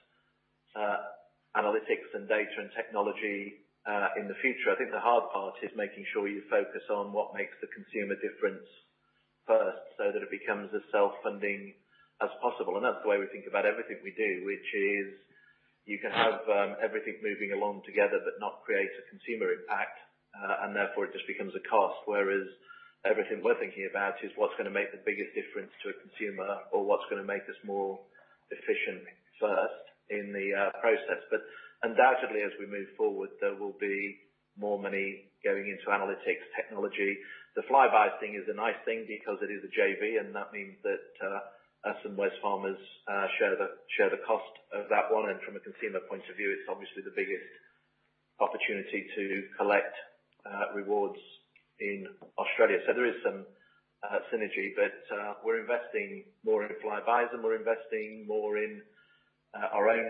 analytics and data and technology in the future. I think the hard part is making sure you focus on what makes the consumer difference first, so that it becomes as self-funding as possible. That's the way we think about everything we do, which is you can have everything moving along together but not create a consumer impact, and therefore, it just becomes a cost. Whereas everything we're thinking about is what's gonna make the biggest difference to a consumer or what's gonna make us more efficient first in the process. Undoubtedly, as we move forward, there will be more money going into analytics technology. The Flybuys thing is a nice thing because it is a JV, and that means that us and Wesfarmers share the cost of that one. From a consumer point of view, it's obviously the biggest opportunity to collect rewards in Australia. There is some synergy, but we're investing more into Flybuys, and we're investing more in our own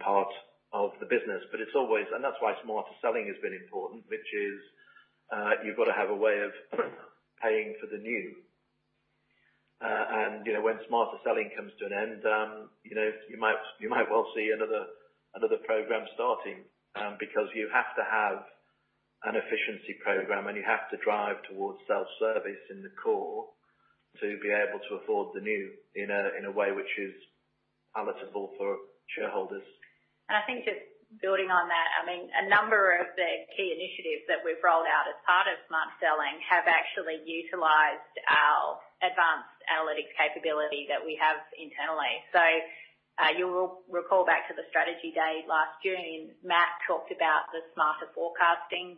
part of the business. It's always that's why Smarter Selling has been important, which is you've got to have a way of paying for the new. You know, when Smarter Selling comes to an end, you know, you might well see another program starting, because you have to have an efficiency program, and you have to drive towards self-service in the core to be able to afford the new in a way which is palatable for shareholders. I think just building on that, I mean, a number of the key initiatives that we've rolled out as part of Smarter Selling have actually utilized our advanced analytic capability that we have internally. So, you will recall back to the strategy day last June, Matt talked about the smarter forecasting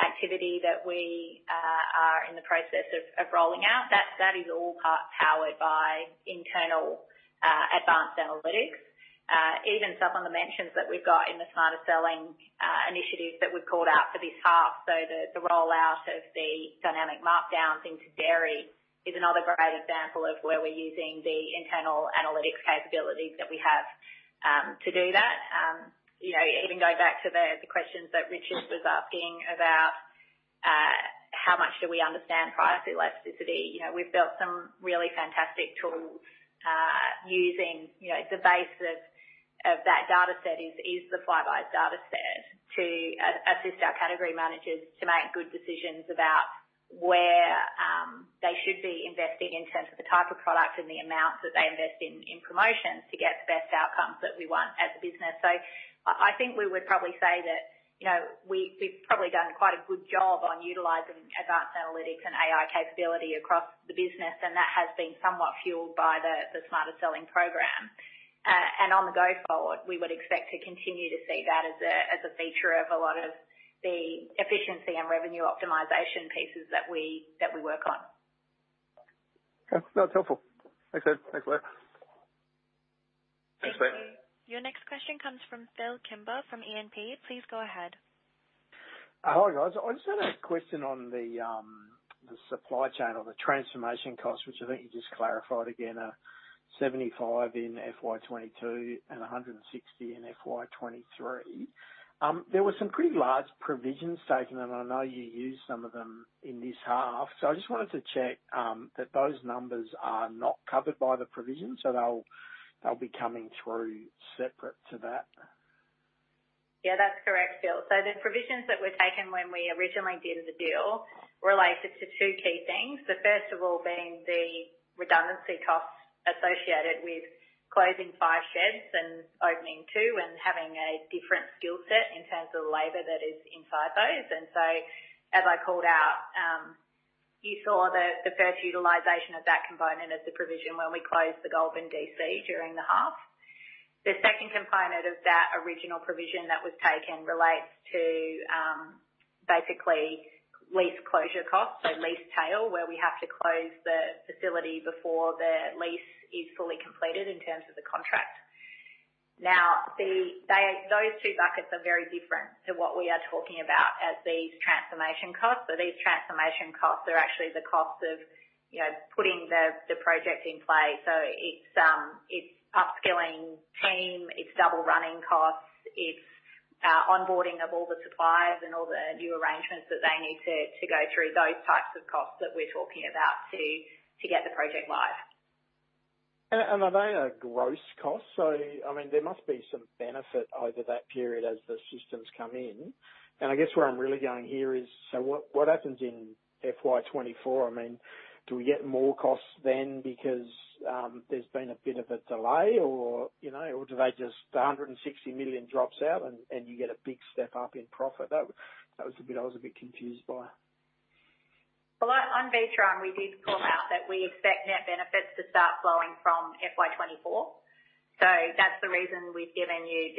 activity that we are in the process of rolling out. That is all part powered by internal advanced analytics. Even some of the mentions that we've got in the Smarter Selling initiatives that we've called out for this half. So the rollout of the dynamic markdowns into dairy is another great example of where we're using the internal analytics capabilities that we have to do that. You know, even going back to the questions that Richard was asking about. Sure we understand price elasticity. You know, we've built some really fantastic tools using the base of that data set, which is the Flybuys data set, to assist our category managers to make good decisions about where they should be investing in terms of the type of product and the amount that they invest in promotions to get the best outcomes that we want as a business. I think we would probably say that, you know, we've probably done quite a good job on utilizing advanced analytics and AI capability across the business, and that has been somewhat fueled by the Smarter Selling program. Going forward, we would expect to continue to see that as a feature of a lot of the efficiency and revenue optimization pieces that we work on. Okay. That's helpful. Thanks, Ed. Thanks, Leah. Thank you. Your next question comes from Phillip Kimber from E&P. Please go ahead. Hi, guys. I just had a question on the supply chain or the transformation cost, which I think you just clarified again, 75 in FY 2022 and 160 in FY 2023. There were some pretty large provisions taken, and I know you used some of them in this half, so I just wanted to check that those numbers are not covered by the provision, so they'll be coming through separate to that. Yeah, that's correct, Phil. The provisions that were taken when we originally did the deal related to two key things. The first of all being the redundancy costs associated with closing five sheds and opening two and having a different skill set in terms of labor that is inside those. You saw the first utilization of that component of the provision when we closed the Goulburn DC during the half. The second component of that original provision that was taken relates to basically lease closure costs, so lease tail, where we have to close the facility before the lease is fully completed in terms of the contract. Now, those two buckets are very different to what we are talking about as these transformation costs. These transformation costs are actually the cost of, you know, putting the project in play. It's upskilling team, it's double running costs, it's onboarding of all the suppliers and all the new arrangements that they need to go through, those types of costs that we're talking about to get the project live. Are they a gross cost? I mean, there must be some benefit over that period as the systems come in. I guess where I'm really going here is, what happens in FY 2024? I mean, do we get more costs then because there's been a bit of a delay or, you know, or do they just the 160 million drop out and you get a big step-up in profit? That was a bit I was confused by. Well, I'm being true, and we did call out that we expect net benefits to start flowing from FY 2024. That's the reason we've given you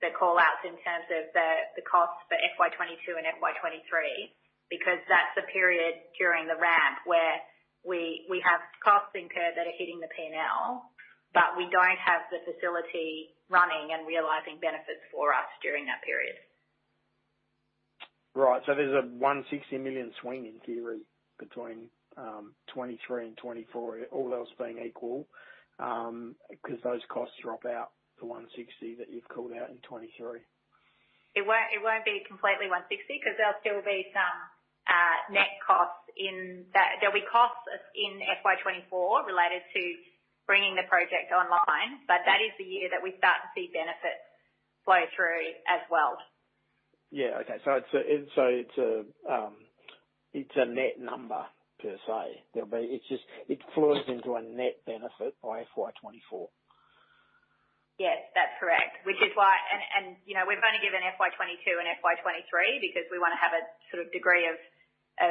the call-outs in terms of the costs for FY 2022 and FY 2023, because that's the period during the ramp where we have costs incurred that are hitting the P&L, but we don't have the facility running and realizing benefits for us during that period. Right. There's a 160 million swing in theory between 2023 and 2024, all else being equal, 'cause those costs drop out to 160 million that you've called out in 2023. It won't be completely 160, 'cause there'll still be some net costs in that. There'll be costs in FY 2024 related to bringing the project online, but that is the year that we start to see benefits flow through as well. It's a net number per se. It's just it flows into a net benefit by FY 2024. Yes, that's correct. Which is why you know we've only given FY 2022 and FY 2023 because we wanna have a sort of degree of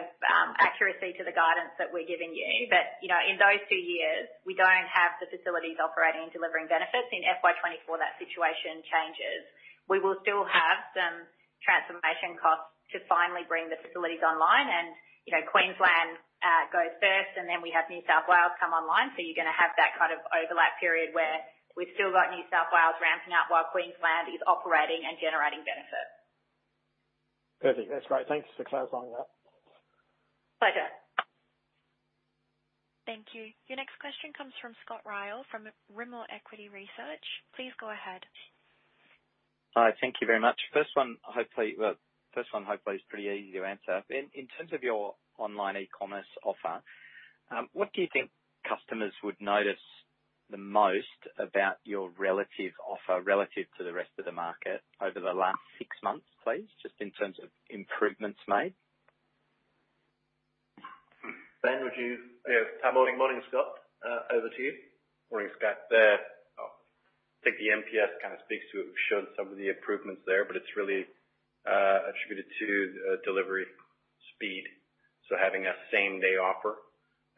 accuracy to the guidance that we're giving you. In those two years, we don't have the facilities operating and delivering benefits. In FY 2024, that situation changes. We will still have some transformation costs to finally bring the facilities online. Queensland goes first, and then we have New South Wales come online. You're gonna have that kind of overlap period where we've still got New South Wales ramping up while Queensland is operating and generating benefits. Perfect. That's great. Thanks for clarifying that. Pleasure. Thank you. Your next question comes from Scott Ryall from Rimor Equity Research. Please go ahead. Hi. Thank you very much. First one, hopefully, is pretty easy to answer. In terms of your online e-commerce offer, what do you think customers would notice the most about your relative offer relative to the rest of the market over the last six months, please? Just in terms of improvements made. Ben, would you? Yeah. Morning, Scott. Over to you. Morning, Scott. I think the NPS kind of speaks to it. We've shown some of the improvements there, but it's really attributed to the delivery speed, so having a same day offer,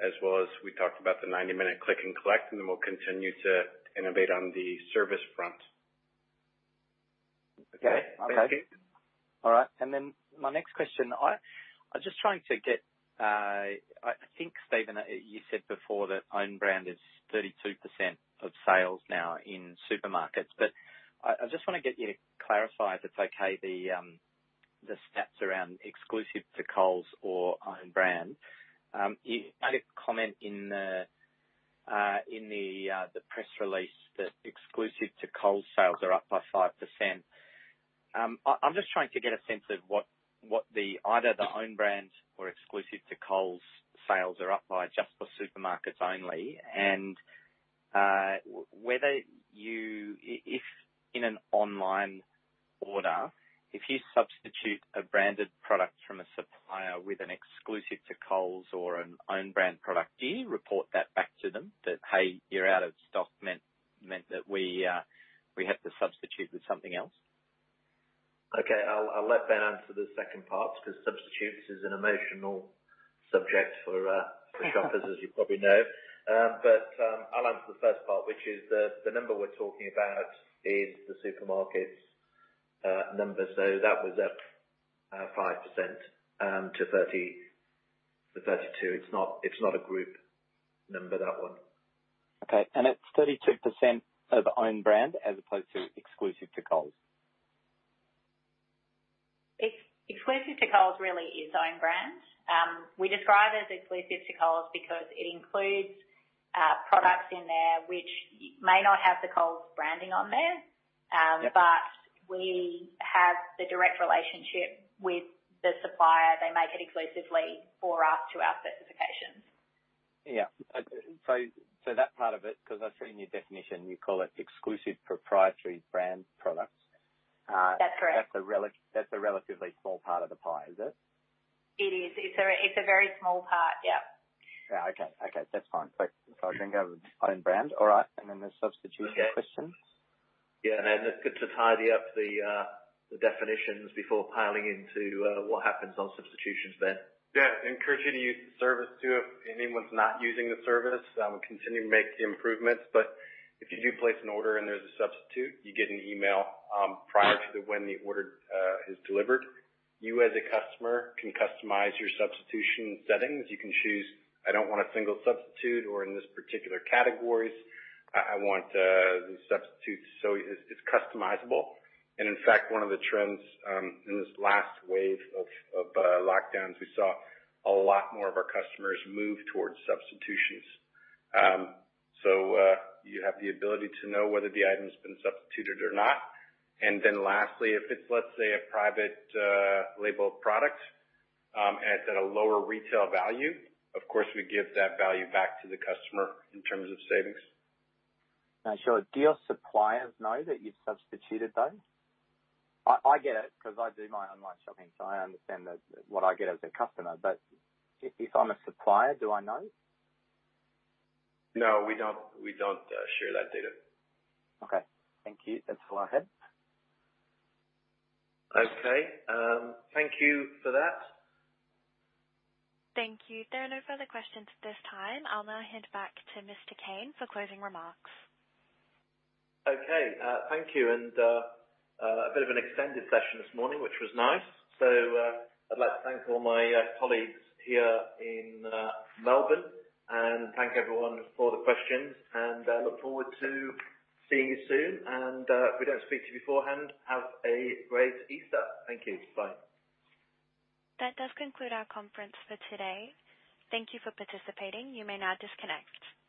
as well as we talked about the 90-minute Click&Collect Rapid, and then we'll continue to innovate on the service front. Okay. Okay. Thank you. All right. My next question. I was just trying to get, I think, Steven, you said before that own brand is 32% of sales now in supermarkets. I just wanna get you to clarify, if it's okay, the stats around exclusive to Coles or own brand. You made a comment in the press release that exclusive to Coles sales are up by 5%. I'm just trying to get a sense of what either the own brands or exclusive to Coles sales are up by just for supermarkets only. Whether, if in an online order you substitute a branded product from a supplier with an exclusive to Coles or an own brand product, do you report that back to them? That, "Hey, you're out of stock," meant that we have to substitute with something else. Okay. I'll let Ben answer the second part, 'cause substitutes is an emotional subject for shoppers, as you probably know. I'll answer the first part, which is the number we're talking about is the supermarket's numbers, so that was up 5% to 32%. It's not a group number, that one. Okay. It's 32% of own brand as opposed to exclusive to Coles? Exclusive to Coles really is own brand. We describe it as exclusive to Coles because it includes products in there which may not have the Coles branding on there. Yeah. we have the direct relationship with the supplier. They make it exclusively for us to our specifications. Yeah. That part of it, 'cause I've seen your definition, you call it exclusive proprietary brand products. That's correct. That's a relatively small part of the pie, is it? It is. It's a very small part. Yeah. Yeah. Okay, that's fine. I think of own brand. All right. The substitution question. Yeah. It's good to tidy up the definitions before piling into what happens on substitutions then. Yeah. I encourage you to use the service too, if anyone's not using the service. We're continuing to make the improvements, but if you do place an order and there's a substitute, you get an email prior to when the order is delivered. You as a customer can customize your substitution settings. You can choose, "I don't want a single substitute or in this particular categories. I want the substitute." So it is customizable. In fact, one of the trends in this last wave of lockdowns, we saw a lot more of our customers move towards substitutions. You have the ability to know whether the item's been substituted or not. Lastly, if it's, let's say a private labeled product, and it's at a lower retail value, of course, we give that value back to the customer in terms of savings. Sure. Do your suppliers know that you've substituted those? I get it 'cause I do my online shopping, so I understand what I get as a customer. But if I'm a supplier, do I know? No, we don't share that data. Okay. Thank you. That's all I had. Okay. Thank you for that. Thank you. There are no further questions at this time. I'll now hand back to Mr. Cain for closing remarks. Okay. Thank you and a bit of an extended session this morning, which was nice. I'd like to thank all my colleagues here in Melbourne and thank everyone for the questions, and I look forward to seeing you soon. If we don't speak to you beforehand, have a great Easter. Thank you. Bye. That does conclude our conference for today. Thank you for participating. You may now disconnect.